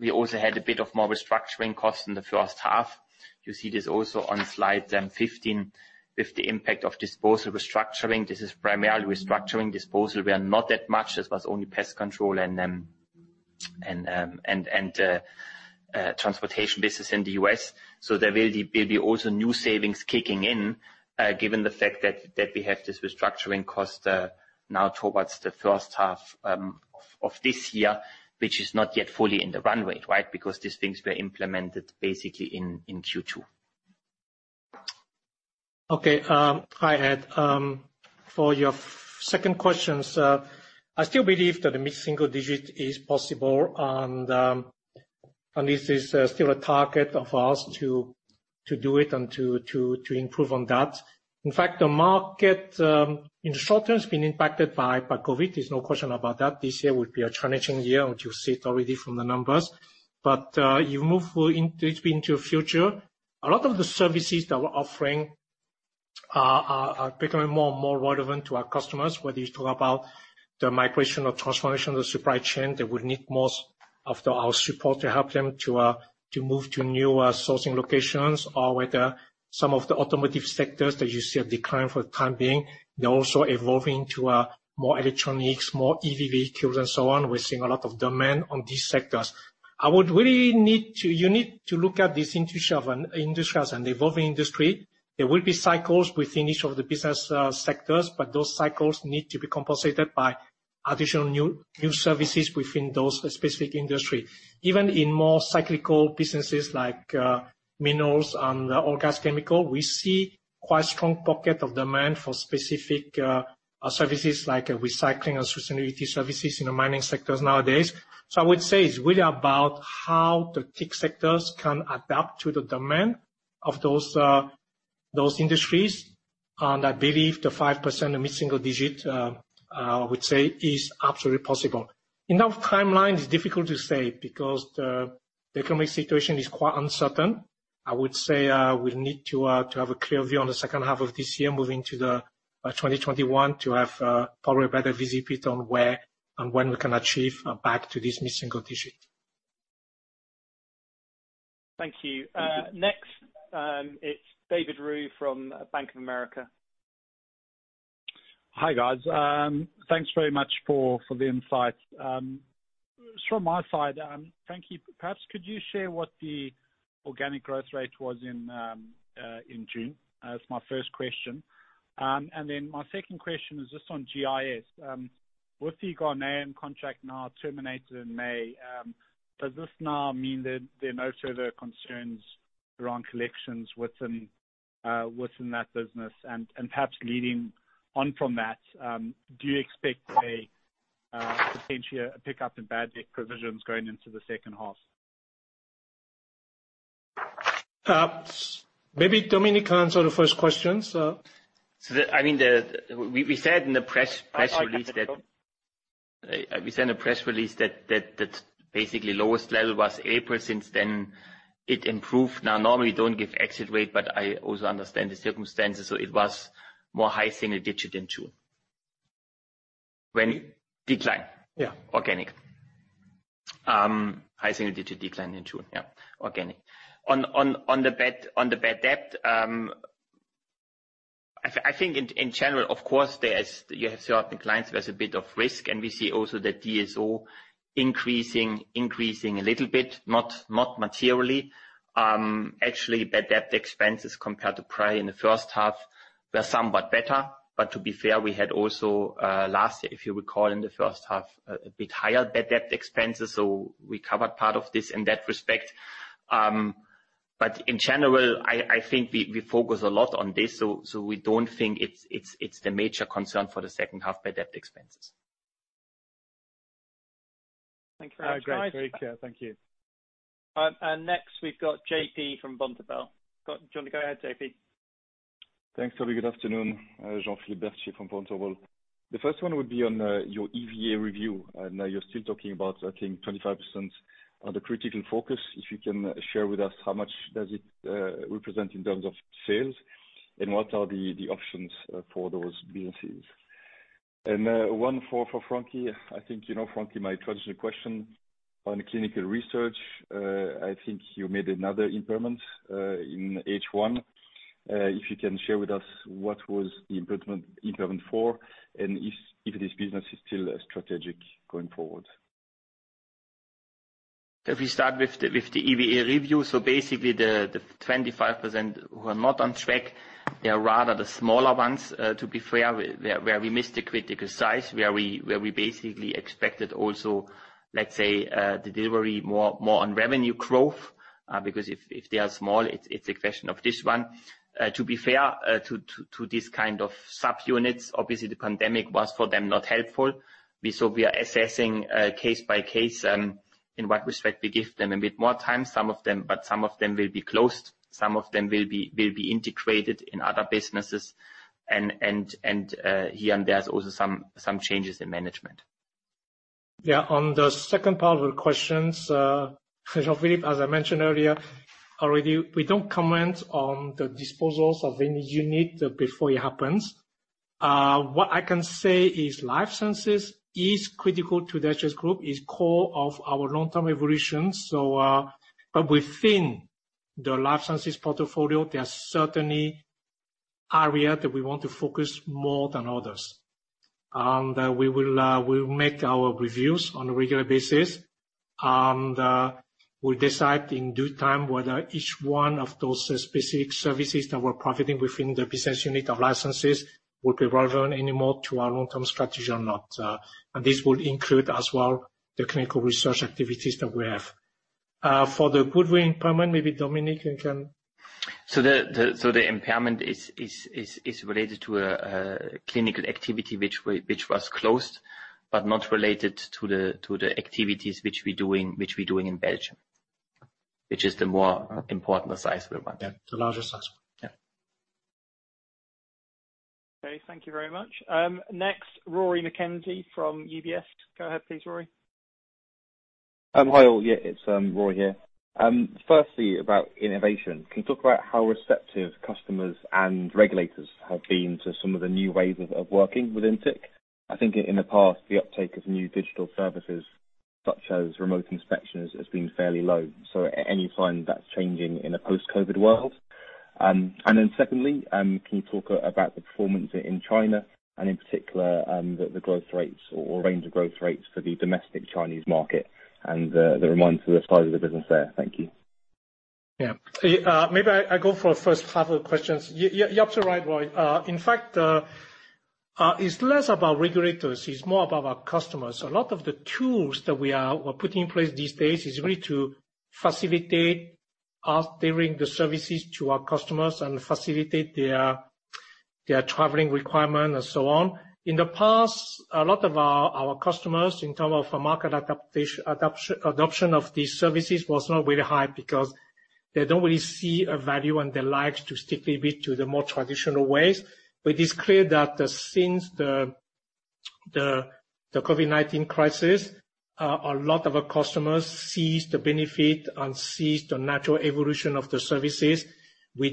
Speaker 3: we also had a bit of more restructuring costs in the first half. You see this also on slide 15 with the impact of disposal restructuring. This is primarily restructuring. Disposal were not that much, as was only pest control and transportation business in the U.S. There will be also new savings kicking in, given the fact that we have this restructuring cost now towards the first half of this year, which is not yet fully in the run rate, right? Because these things were implemented basically in Q2.
Speaker 2: Okay. Hi, Ed. For your second question, I still believe that the mid-single digit is possible, and this is still a target of ours to do it and to improve on that. In fact, the market in the short term has been impacted by COVID-19, there's no question about that. This year will be a challenging year, which you see it already from the numbers. You move into future, a lot of the services that we're offering are becoming more and more relevant to our customers, whether you talk about the migration or transformation of the supply chain, they would need most of our support to help them to move to new sourcing locations or whether some of the automotive sectors that you see a decline for the time being, they're also evolving to more electronics, more EV vehicles and so on. We're seeing a lot of demand on these sectors. You need to look at these industries as an evolving industry. There will be cycles within each of the business sectors, but those cycles need to be compensated by additional new services within those specific industry. Even in more cyclical businesses like Minerals and Oil, Gas and Chemicals, we see quite strong pocket of demand for specific services like recycling and sustainability services in the mining sectors nowadays. I would say it's really about how the TIC sectors can adapt to the demand of those industries, and I believe the 5% mid-single digit, I would say is absolutely possible. In our timeline, it's difficult to say because the economic situation is quite uncertain. I would say we'll need to have a clear view on the second half of this year, moving to 2021 to have probably a better visibility on where and when we can achieve back to this mid-single digit.
Speaker 1: Thank you. Next, it's David Roux from Bank of America.
Speaker 6: Hi, guys. Thanks very much for the insights. From my side, Frankie, perhaps could you share what the organic growth rate was in June? That's my first question. My second question is just on GIS. With the Ghanaian contract now terminated in May, does this now mean that there are no further concerns around collections within that business? Perhaps leading on from that, do you expect a potential pickup in bad debt provisions going into the second half?
Speaker 2: Maybe Dominik can answer the first question.
Speaker 3: We said in the press release that.
Speaker 6: Oh, sorry, Dominik.
Speaker 3: We said in the press release that basically lowest level was April. Since then, it improved. Normally we don't give exit rate, but I also understand the circumstances. It was more high single digit in June. When? Decline.
Speaker 2: Yeah.
Speaker 3: Organic. High single-digit decline in June. Yeah. Organic. On the bad debt, I think in general, of course, you have certain clients there's a bit of risk, and we see also the DSO increasing a little bit, not materially. Actually, bad debt expenses compared to prior in the first half were somewhat better. To be fair, we had also, last year, if you recall in the first half, a bit higher bad debt expenses. We covered part of this in that respect. In general, I think we focus a lot on this, we don't think it's the major concern for the second half bad debt expenses.
Speaker 1: Thank you very much, guys. All right, great. Thank you. Next, we've got JP from Vontobel. Do you want to go ahead, JP?
Speaker 7: Thanks. Good afternoon. Jean-Philippe Bertschy from Vontobel. The first one would be on your EVA review. You're still talking about, I think, 25% of the critical focus. If you can share with us how much does it represent in terms of sales, and what are the options for those businesses? One for Frankie. I think you know, Frankie, my traditional question on clinical research. I think you made another impairment in H1. If you can share with us what was the impairment for, and if this business is still strategic going forward.
Speaker 3: If we start with the EVA review. Basically the 25% who are not on track, they are rather the smaller ones, to be fair, where we missed the critical size, where we basically expected also, let's say, delivery more on revenue growth. If they are small, it's a question of this one. To be fair to these kind of subunits, obviously the pandemic was, for them, not helpful. We are assessing case by case, in what respect we give them a bit more time. Some of them will be closed, some of them will be integrated in other businesses. Here and there is also some changes in management.
Speaker 2: Yeah. On the second part of the questions, Jean-Philippe, as I mentioned earlier already, we don't comment on the disposals of any unit before it happens. What I can say is Life Sciences is critical to the SGS group, is core of our long-term evolution. Within the Life Sciences portfolio, there are certainly areas that we want to focus more than others, and we will make our reviews on a regular basis, and we'll decide in due time whether each one of those specific services that we're providing within the business unit of Life Sciences will be relevant anymore to our long-term strategy or not. This will include as well the clinical research activities that we have. For the Goodwill impairment, maybe Dominik, you can.
Speaker 3: The impairment is related to a clinical activity which was closed but not related to the activities which we're doing in Belgium, which is the more important size of it.
Speaker 2: Yeah. The larger size.
Speaker 3: Yeah.
Speaker 1: Okay. Thank you very much. Next, Rory Mackenzie from UBS. Go ahead, please, Rory.
Speaker 8: Hi all. Yeah, it's Rory here. Firstly, about innovation. Can you talk about how receptive customers and regulators have been to some of the new ways of working within TIC? I think in the past, the uptake of new digital services such as remote inspections has been fairly low. You find that's changing in a post-COVID-19 world? Secondly, can you talk about the performance in China and in particular, the growth rates or range of growth rates for the domestic Chinese market and the reminder of the size of the business there? Thank you.
Speaker 2: Yeah. Maybe I go for the first half of questions. You're absolutely right, Rory. In fact, it's less about regulators, it's more about our customers. A lot of the tools that we are putting in place these days is really to facilitate us delivering the services to our customers and facilitate their traveling requirement and so on. In the past, a lot of our customers, in term of market adoption of these services was not very high because they don't really see a value and they like to stick a bit to the more traditional ways. It is clear that since the COVID-19 crisis, a lot of our customers seized the benefit and seized the natural evolution of the services.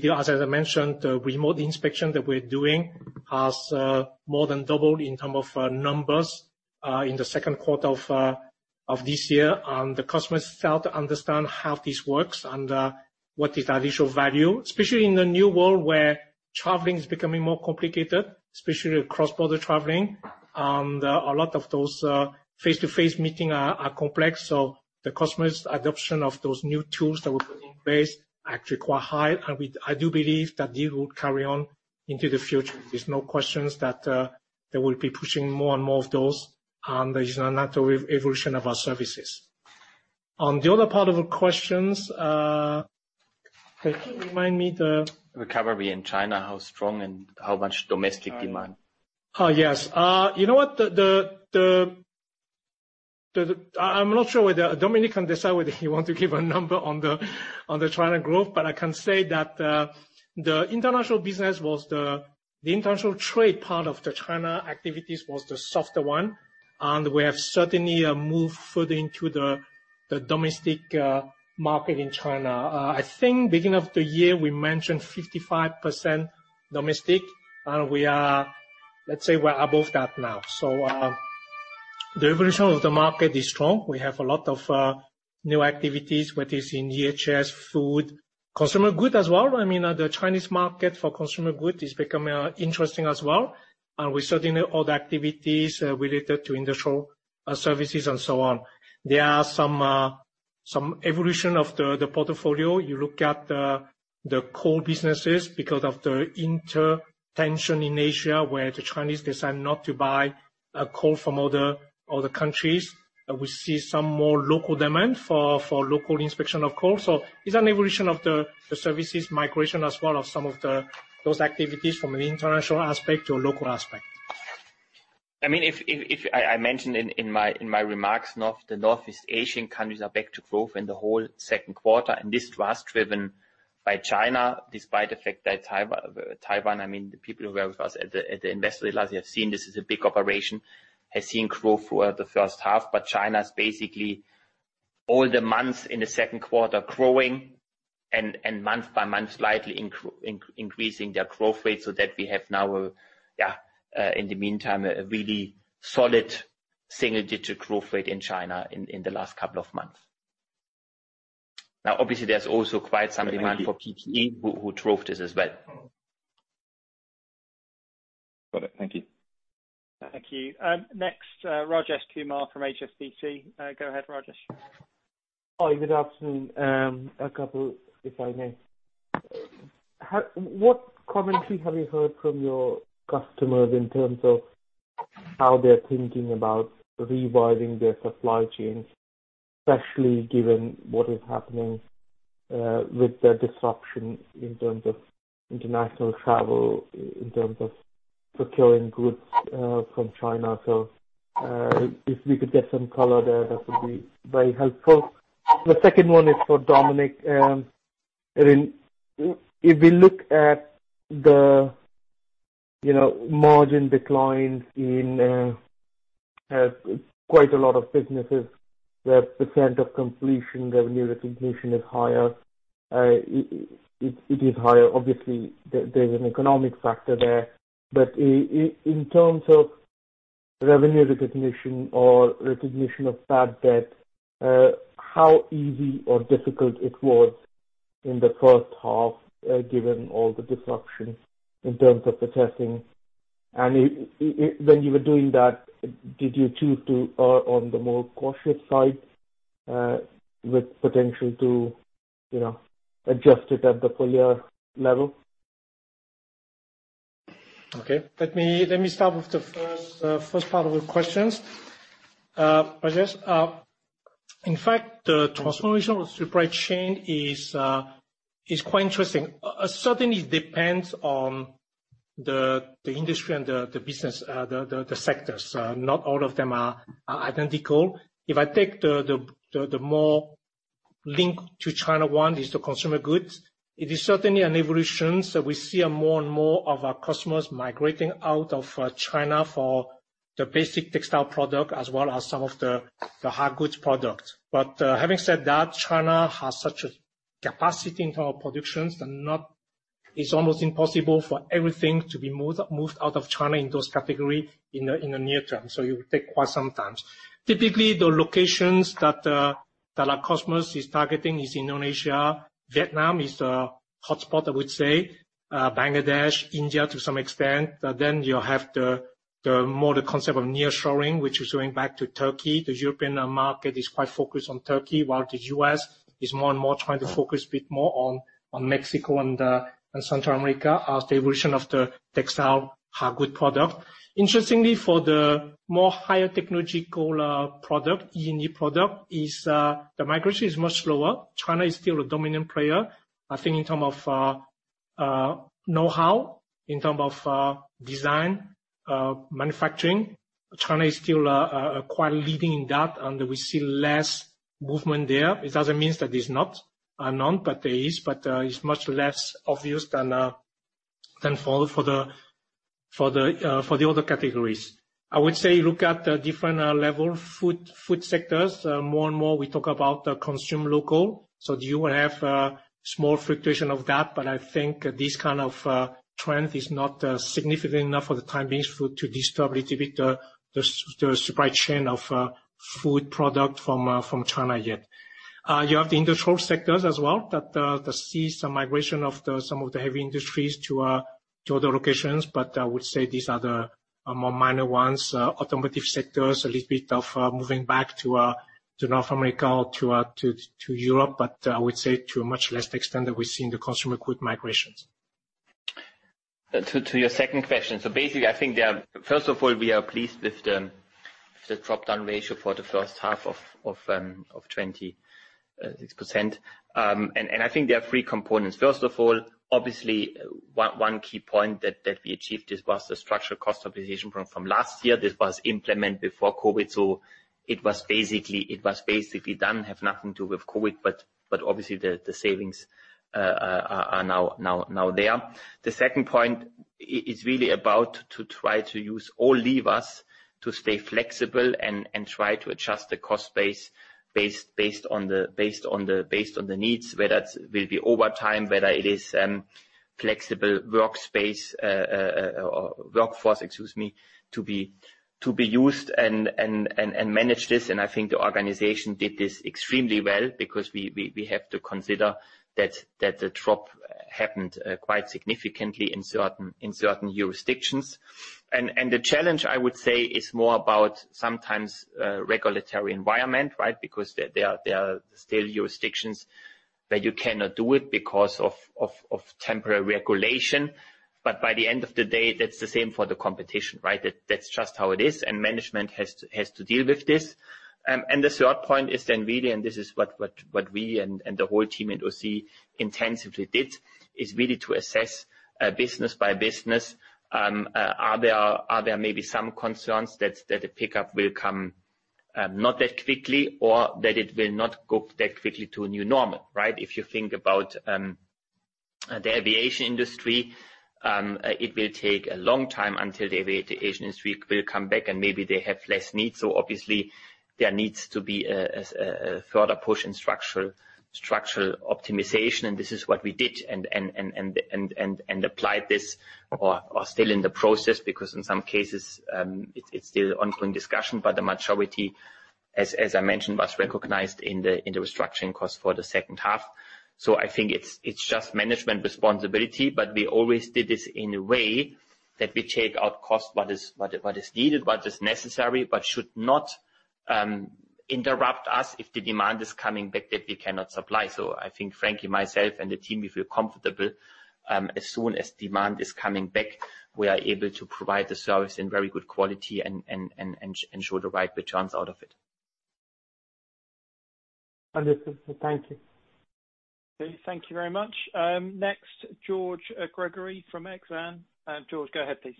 Speaker 2: As I mentioned, the remote inspection that we're doing has more than doubled in term of numbers in the second quarter of this year. The customers start to understand how this works and what is the additional value, especially in the new world where traveling is becoming more complicated, especially cross-border traveling, and a lot of those face-to-face meeting are complex. The customers adoption of those new tools that we're putting in place are actually quite high, and I do believe that this will carry on into the future. There's no questions that they will be pushing more and more of those, and there is a natural evolution of our services. On the other part of the questions, can you remind me the?
Speaker 3: Recovery in China, how strong and how much domestic demand?
Speaker 2: Oh, yes. You know what? I'm not sure whether Dominik can decide whether he want to give a number on the China growth. I can say that the international business was the international trade part of the China activities was the softer one, and we have certainly moved further into the domestic market in China. I think beginning of the year, we mentioned 55% domestic, and let's say we are above that now. The evolution of the market is strong. We have a lot of new activities, whether it's in EHS, food, consumer good as well. The Chinese market for consumer good is becoming interesting as well. We certainly have other activities related to industrial services and so on. There are some evolution of the portfolio. You look at the core businesses, because of the tensions in Asia, where the Chinese decide not to buy coal from other countries. We see some more local demand for local inspection of coal. It's an evolution of the services migration as well of some of those activities from an international aspect to a local aspect.
Speaker 3: I mentioned in my remarks, the Northeast Asian countries are back to growth in the whole 2nd quarter, and this was driven by China, despite the fact that Taiwan, the people who were with us at the investor relations have seen this is a big operation, has seen growth throughout the 1st half. China's basically all the months in the 2nd quarter growing and month by month, slightly increasing their growth rate so that we have now, in the meantime, a really solid single-digit growth rate in China in the last couple of months. Obviously, there's also quite some demand for PPE who drove this as well.
Speaker 1: Got it. Thank you. Thank you. Next, Rajesh Kumar from HDFC. Go ahead, Rajesh.
Speaker 9: Hi, good afternoon. A couple, if I may. What commentary have you heard from your customers in terms of how they're thinking about revising their supply chains, especially given what is happening with the disruption in terms of international travel, in terms of procuring goods from China? If we could get some color there, that would be very helpful. The second one is for Dominik. If we look at the margin declines in quite a lot of businesses, the percent of completion revenue recognition is higher. It is higher. Obviously, there's an economic factor there. In terms of revenue recognition or recognition of bad debt, how easy or difficult it was in the first half, given all the disruption in terms of the testing? When you were doing that, did you choose to err on the more cautious side, with potential to adjust it at the full year level?
Speaker 2: Okay. Let me start with the first part of the questions, Rajesh. In fact, the transformation of supply chain is quite interesting. Certainly, it depends on the industry and the business, the sectors. Not all of them are identical. If I take the more link to China one is the consumer goods. It is certainly an evolution. We see more and more of our customers migrating out of China for the basic textile product as well as some of the hard goods product. Having said that, China has such a capacity in terms of productions, it is almost impossible for everything to be moved out of China in those categories in the near term. You take quite some time. Typically, the locations that our customers is targeting is Indonesia. Vietnam is a hotspot, I would say. Bangladesh, India to some extent. You have more the concept of near-shoring, which is going back to Turkey. The European market is quite focused on Turkey, while the U.S. is more and more trying to focus a bit more on Mexico and Central America as the evolution of the textile hard good product. Interestingly, for the more higher technological product, E&E product, the migration is much slower. China is still a dominant player, I think in term of knowhow, in term of design, manufacturing. China is still quite leading in that, and we see less movement there. It doesn't mean that there's not none, but there is, but it's much less obvious than for the other categories. I would say look at the different level food sectors. More and more, we talk about consume local. You will have a small fluctuation of that, but I think this kind of trend is not significant enough for the time being to disturb a little bit the supply chain of food product from China yet. You have the Industrial sectors as well that see some migration of some of the heavy industries to other locations. I would say these are the more minor ones. Automotive sectors, a little bit of moving back to North America or to Europe. I would say to a much less extent that we see in the consumer good migrations.
Speaker 3: To your second question. Basically, I think first of all, we are pleased with the drop-down ratio for the first half of 26%. I think there are three components. First of all, obviously, one key point that we achieved is was the structural cost optimization from last year. This was implemented before COVID. It was basically done, have nothing to do with COVID, but obviously, the savings are now there. The second point is really about to try to use all levers to stay flexible and try to adjust the cost base based on the needs, whether it will be overtime, whether it is flexible workspace or workforce, excuse me, to be used and manage this. I think the organization did this extremely well because we have to consider that the drop happened quite significantly in certain jurisdictions. The challenge, I would say, is more about sometimes regulatory environment, right. Because there are still jurisdictions where you cannot do it because of temporary regulation. By the end of the day, that's the same for the competition, right. That's just how it is, and management has to deal with this. The third point is really, and this is what we and the whole team at OC intensively did, is really to assess business by business. Are there maybe some concerns that the pickup will come not that quickly or that it will not go that quickly to a new normal, right. If you think about the aviation industry, it will take a long time until the aviation industry will come back, and maybe they have less needs. Obviously there needs to be a further push in structural optimization. This is what we did and applied this or are still in the process, because in some cases, it's still an ongoing discussion. The majority, as I mentioned, was recognized in the restructuring cost for the second half. I think it's just management responsibility, but we always did this in a way that we take out cost, what is needed, what is necessary, but should not interrupt us if the demand is coming back, that we cannot supply. I think, frankly, myself and the team, we feel comfortable. As soon as demand is coming back, we are able to provide the service in very good quality and show the right returns out of it.
Speaker 9: Understood, sir. Thank you.
Speaker 1: Okay. Thank you very much. Next, George Gregory from Exane. George, go ahead, please.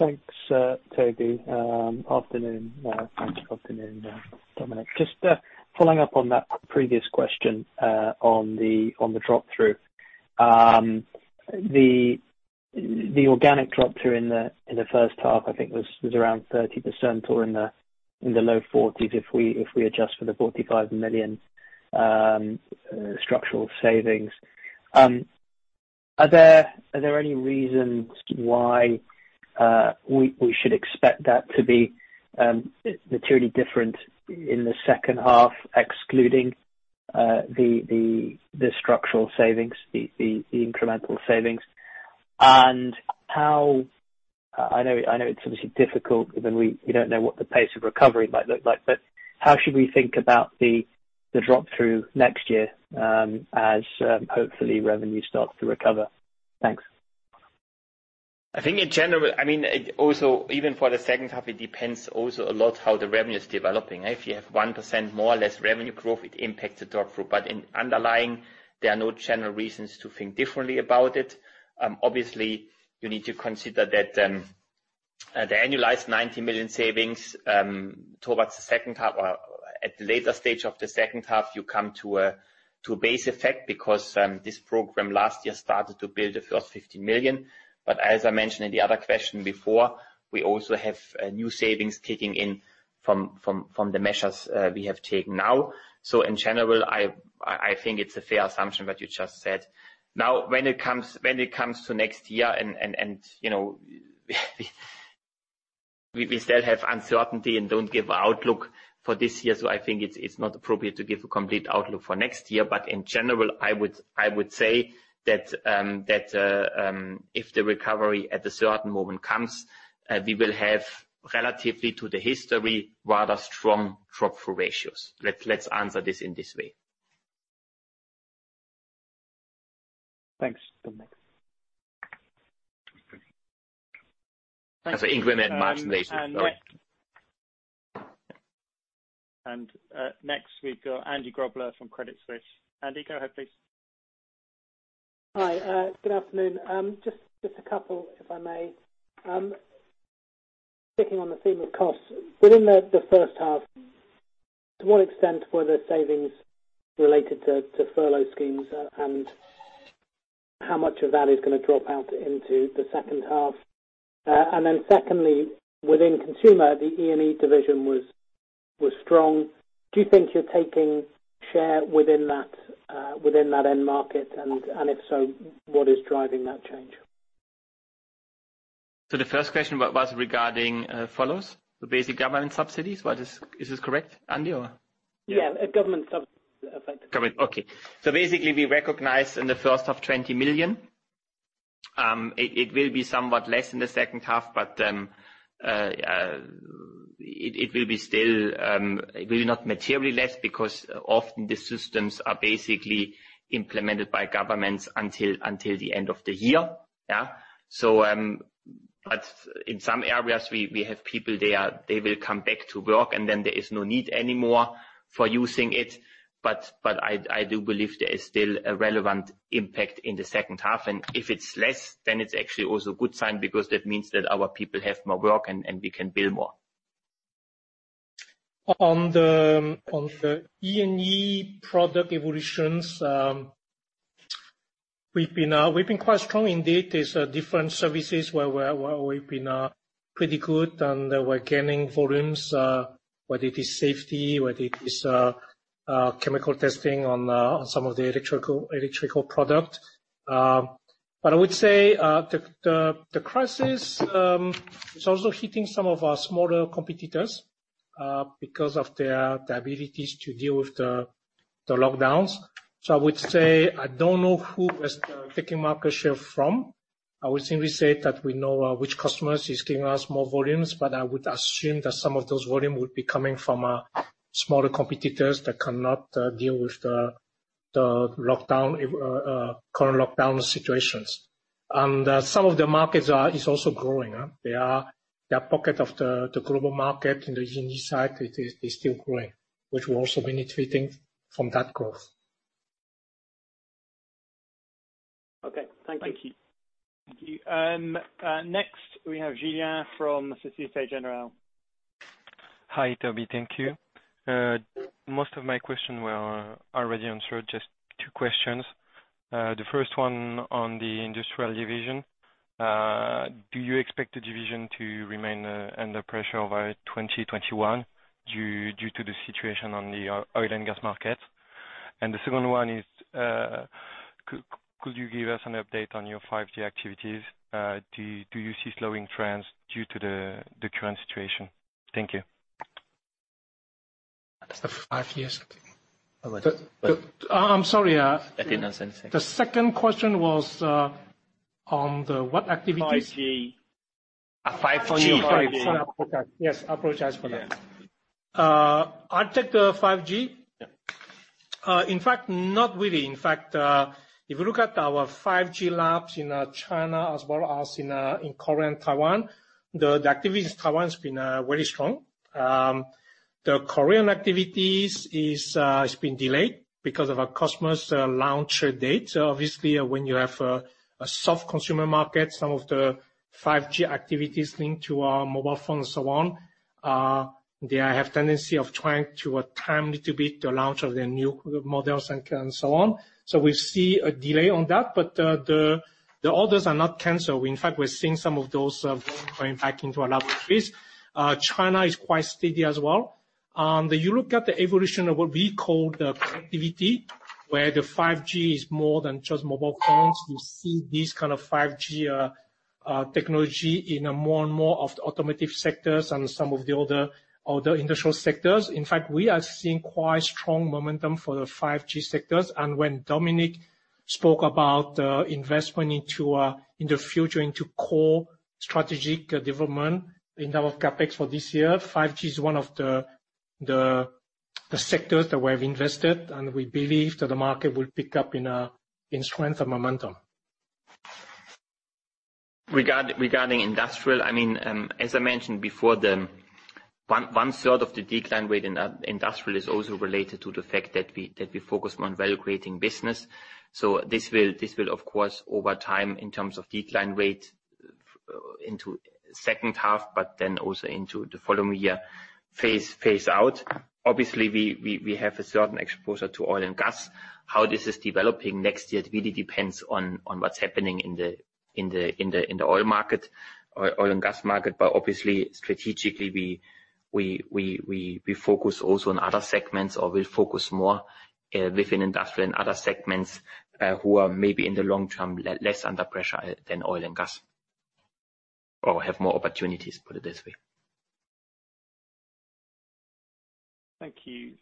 Speaker 10: Thanks, Toby. Afternoon. Thanks. Afternoon, Dominik. Just following up on that previous question, on the drop-through. The organic drop-through in the first half, I think was around 30% or in the low 40s, if we adjust for the 45 million structural savings. Are there any reasons why we should expect that to be materially different in the second half, excluding the structural savings, the incremental savings? I know it's obviously difficult when we don't know what the pace of recovery might look like, but how should we think about the drop-through next year, as hopefully revenue starts to recover? Thanks.
Speaker 3: I think in general, even for the second half, it depends also a lot how the revenue is developing. If you have 1% more or less revenue growth, it impacts the drop-through. In underlying, there are no general reasons to think differently about it. Obviously, you need to consider that the annualized 90 million savings towards the second half or at the later stage of the second half, you come to a base effect because this program last year started to build the first 50 million. As I mentioned in the other question before, we also have new savings kicking in from the measures we have taken now. In general, I think it's a fair assumption what you just said. Now, when it comes to next year, we still have uncertainty and don't give an outlook for this year. I think it's not appropriate to give a complete outlook for next year. In general, I would say that if the recovery at a certain moment comes, we will have, relatively to the history, rather strong drop-through ratios. Let's answer this in this way.
Speaker 10: Thanks, Dominik.
Speaker 3: As an increment margin, they said, sorry.
Speaker 1: Next we've got Andy Grobler from Credit Suisse. Andy, go ahead, please.
Speaker 11: Hi. Good afternoon. Just a couple if I may. Sticking on the theme of costs, within the first half, to what extent were the savings related to furlough schemes, and how much of that is going to drop out into the second half? Secondly, within consumer, the E&E division was strong. Do you think you're taking share within that end market? If so, what is driving that change?
Speaker 3: The first question was regarding furloughs? The basic government subsidies. Is this correct, Andy?
Speaker 11: Yeah, government subsidies.
Speaker 3: Basically, we recognized in the first half, 20 million. It will be somewhat less in the second half, it will be not materially less because often the systems are basically implemented by governments until the end of the year. In some areas, we have people, they will come back to work and then there is no need anymore for using it. I do believe there is still a relevant impact in the second half, and if it's less, then it's actually also a good sign because that means that our people have more work and we can bill more.
Speaker 2: On the E&E product evolutions, we've been quite strong indeed. There's different services where we've been pretty good and we're gaining volumes, whether it is safety, whether it is chemical testing on some of the electrical product. I would say the crisis is also hitting some of our smaller competitors because of their abilities to deal with the lockdowns. I would say, I don't know who was taking market share from. I would simply say that we know which customers is giving us more volumes, but I would assume that some of those volume would be coming from smaller competitors that cannot deal with the current lockdown situations. Some of the markets is also growing. There are pocket of the global market in the E&E side, it is still growing, which will also benefit things from that growth.
Speaker 11: Okay. Thank you.
Speaker 1: Thank you. Next, we have Julien from Societe Generale.
Speaker 12: Hi, Toby. Thank you. Most of my questions were already answered, just two questions. The first one on the Industrial division. Do you expect the division to remain under pressure over 2021 due to the situation on the oil and gas market? The second one is, could you give us an update on your 5G activities? Do you see slowing trends due to the current situation? Thank you.
Speaker 2: That's the five years.
Speaker 3: Oh, I didn't-
Speaker 2: I'm sorry.
Speaker 3: I did not understand.
Speaker 2: The second question was on the what activities?
Speaker 12: 5G.
Speaker 3: 5G.
Speaker 2: Sorry, I apologize. Yes, I apologize for that.
Speaker 12: Yeah.
Speaker 2: I'll take the 5G.
Speaker 12: Yeah.
Speaker 2: In fact, not really. In fact, if you look at our 5G labs in China as well as in Korea and Taiwan, the activities in Taiwan has been very strong. The Korean activities, it's been delayed because of our customer's launch date. Obviously, when you have a soft consumer market, some of the 5G activities linked to our mobile phone and so on, they have tendency of trying to time little bit the launch of their new models and so on. We see a delay on that, but the orders are not canceled. In fact, we're seeing some of those going back into our laboratories. China is quite steady as well. You look at the evolution of what we call the connectivity, where the 5G is more than just mobile phones. You see this kind of 5G technology in more and more of the automotive sectors and some of the other industrial sectors. In fact, we are seeing quite strong momentum for the 5G sectors. When Dominik spoke about investment in the future into core strategic development in our CapEx for this year, 5G is one of the sectors that we have invested, and we believe that the market will pick up in strength and momentum.
Speaker 3: Regarding Industrial, as I mentioned before, one-third of the decline rate in Industrial is also related to the fact that we focus on value-creating business. This will, of course, over time, in terms of decline rate into second half, also into the following year, phase out. Obviously, we have a certain exposure to Oil and Gas. How this is developing next year, it really depends on what's happening in the oil market or oil and gas market. Obviously, strategically, we focus also on other segments, or we'll focus more within Industrial and other segments, who are maybe in the long term, less under pressure than Oil and Gas. Have more opportunities, put it this way.
Speaker 1: Thank you.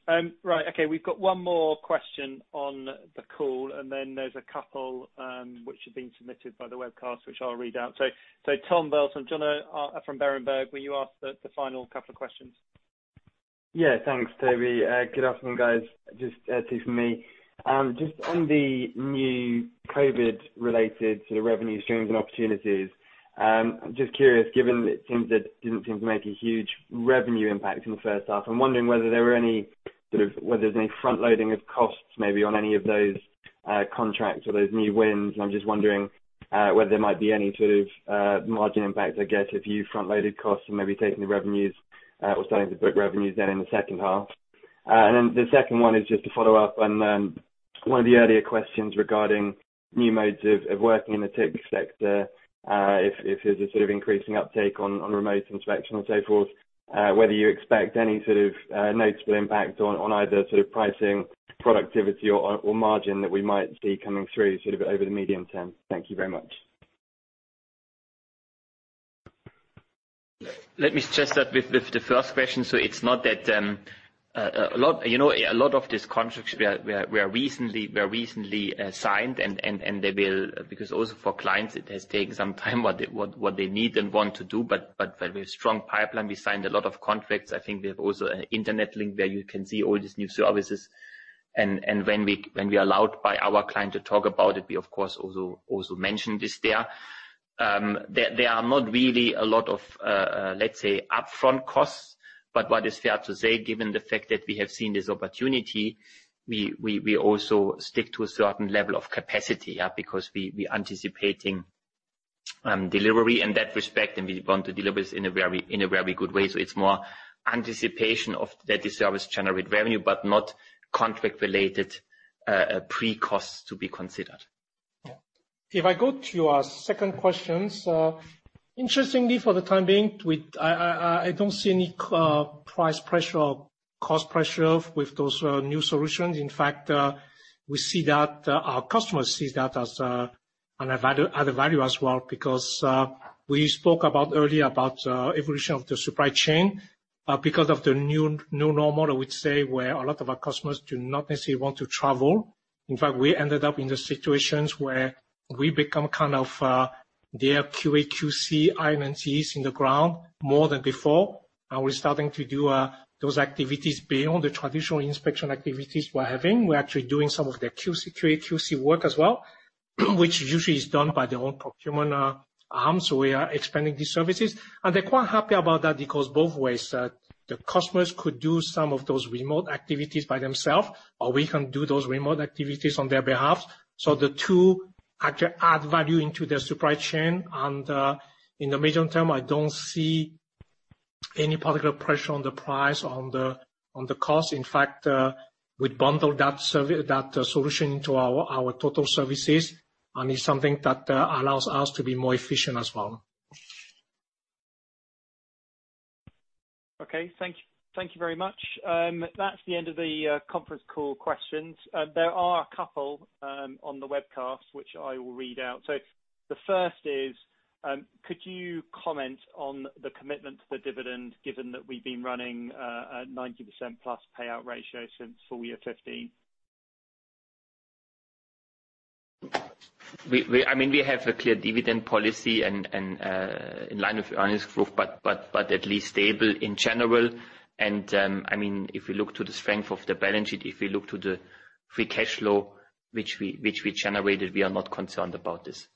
Speaker 1: Right. Okay, we've got one more question on the call, and then there's a couple which have been submitted by the webcast, which I'll read out. [Tom Belsom John O from Berenberg], will you ask the final couple of questions?
Speaker 13: Thanks, Toby. Good afternoon, guys. Just two from me. Just on the new COVID related sort of revenue streams and opportunities, I'm just curious, given it didn't seem to make a huge revenue impact in the first half. I'm wondering whether there were any sort of, whether there's any front-loading of costs, maybe on any of those contracts or those new wins. I'm just wondering whether there might be any sort of margin impact, I guess, if you front-loaded costs and maybe taking the revenues or starting to book revenues then in the second half. The second one is just to follow up on one of the earlier questions regarding new modes of working in the tech sector. If there's a sort of increasing uptake on remote inspection or so forth, whether you expect any sort of notable impact on either sort of pricing, productivity or margin that we might see coming through sort of over the medium term. Thank you very much.
Speaker 3: Let me start with the first question. It's not that a lot of these contracts were recently signed, because also for clients, it has taken some time what they need and want to do, but very strong pipeline. We signed a lot of contracts. I think we have also an internet link where you can see all these new services. When we are allowed by our client to talk about it, we of course also mention this there. There are not really a lot of, let's say, upfront costs, but what is fair to say, given the fact that we have seen this opportunity, we also stick to a certain level of capacity. We're anticipating delivery in that respect, and we want to deliver this in a very good way. It's more anticipation of that service generating revenue, but not contract-related pre-costs to be considered.
Speaker 2: If I go to your second question. Interestingly, for the time being, I don't see any price pressure or cost pressure with those new solutions. In fact, our customers see that as an added value as well, because we spoke about earlier about evolution of the supply chain. Of the new normal, I would say, where a lot of our customers do not necessarily want to travel. In fact, we ended up in the situations where we become kind of their QA, QC eyes and ears in the ground more than before. We're starting to do those activities beyond the traditional inspection activities we're having. We're actually doing some of their QC, QA, QC work as well, which usually is done by their own procurement arms. We are expanding these services, and they're quite happy about that because both ways, the customers could do some of those remote activities by themselves, or we can do those remote activities on their behalf. The two actually add value into their supply chain. In the medium term, I don't see any particular pressure on the price, on the cost. In fact, we bundle that solution into our total services, and it's something that allows us to be more efficient as well.
Speaker 1: Okay. Thank you very much. That's the end of the conference call questions. There are a couple on the webcast, which I will read out. The first is, could you comment on the commitment to the dividend, given that we've been running a 90% plus payout ratio since full year 2015?
Speaker 3: We have a clear dividend policy and in line with earnings growth, but at least stable in general. If we look to the strength of the balance sheet, if we look to the free cash flow, which we generated, we are not concerned about this.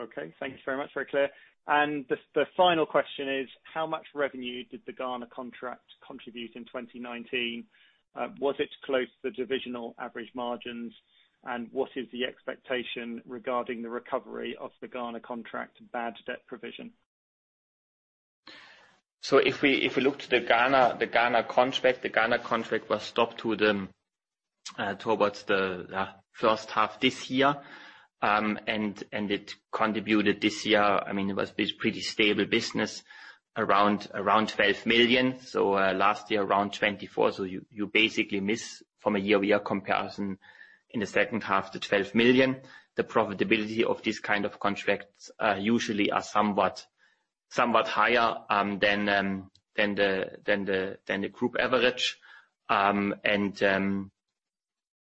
Speaker 1: Okay. Thank you very much. Very clear. The final question is, how much revenue did the Ghana contract contribute in 2019? Was it close to the divisional average margins? What is the expectation regarding the recovery of the Ghana contract bad debt provision?
Speaker 3: If we look to the Ghana contract, the Ghana contract was stopped towards the first half this year, and it contributed this year. It was pretty stable business, around 12 million. Last year, around 24. You basically miss from a year-to-year comparison in the second half the 12 million. The profitability of these kind of contracts usually are somewhat higher than the group average.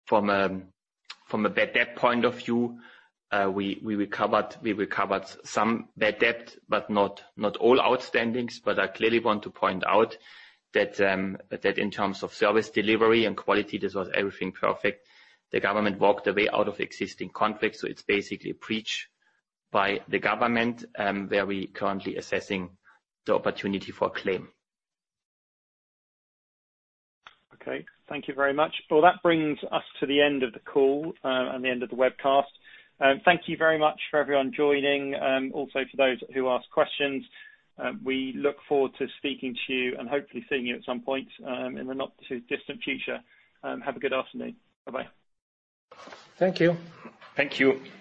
Speaker 3: From a bad debt point of view, we recovered some bad debt, but not all outstandings. I clearly want to point out that in terms of service delivery and quality, this was everything perfect. The government walked away out of existing conflicts, so it's basically a breach by the government, where we currently assessing the opportunity for a claim.
Speaker 1: Okay. Thank you very much. Well, that brings us to the end of the call and the end of the webcast. Thank you very much for everyone joining, also for those who asked questions. We look forward to speaking to you and hopefully seeing you at some point in the not too distant future. Have a good afternoon. Bye-bye.
Speaker 2: Thank you.
Speaker 3: Thank you.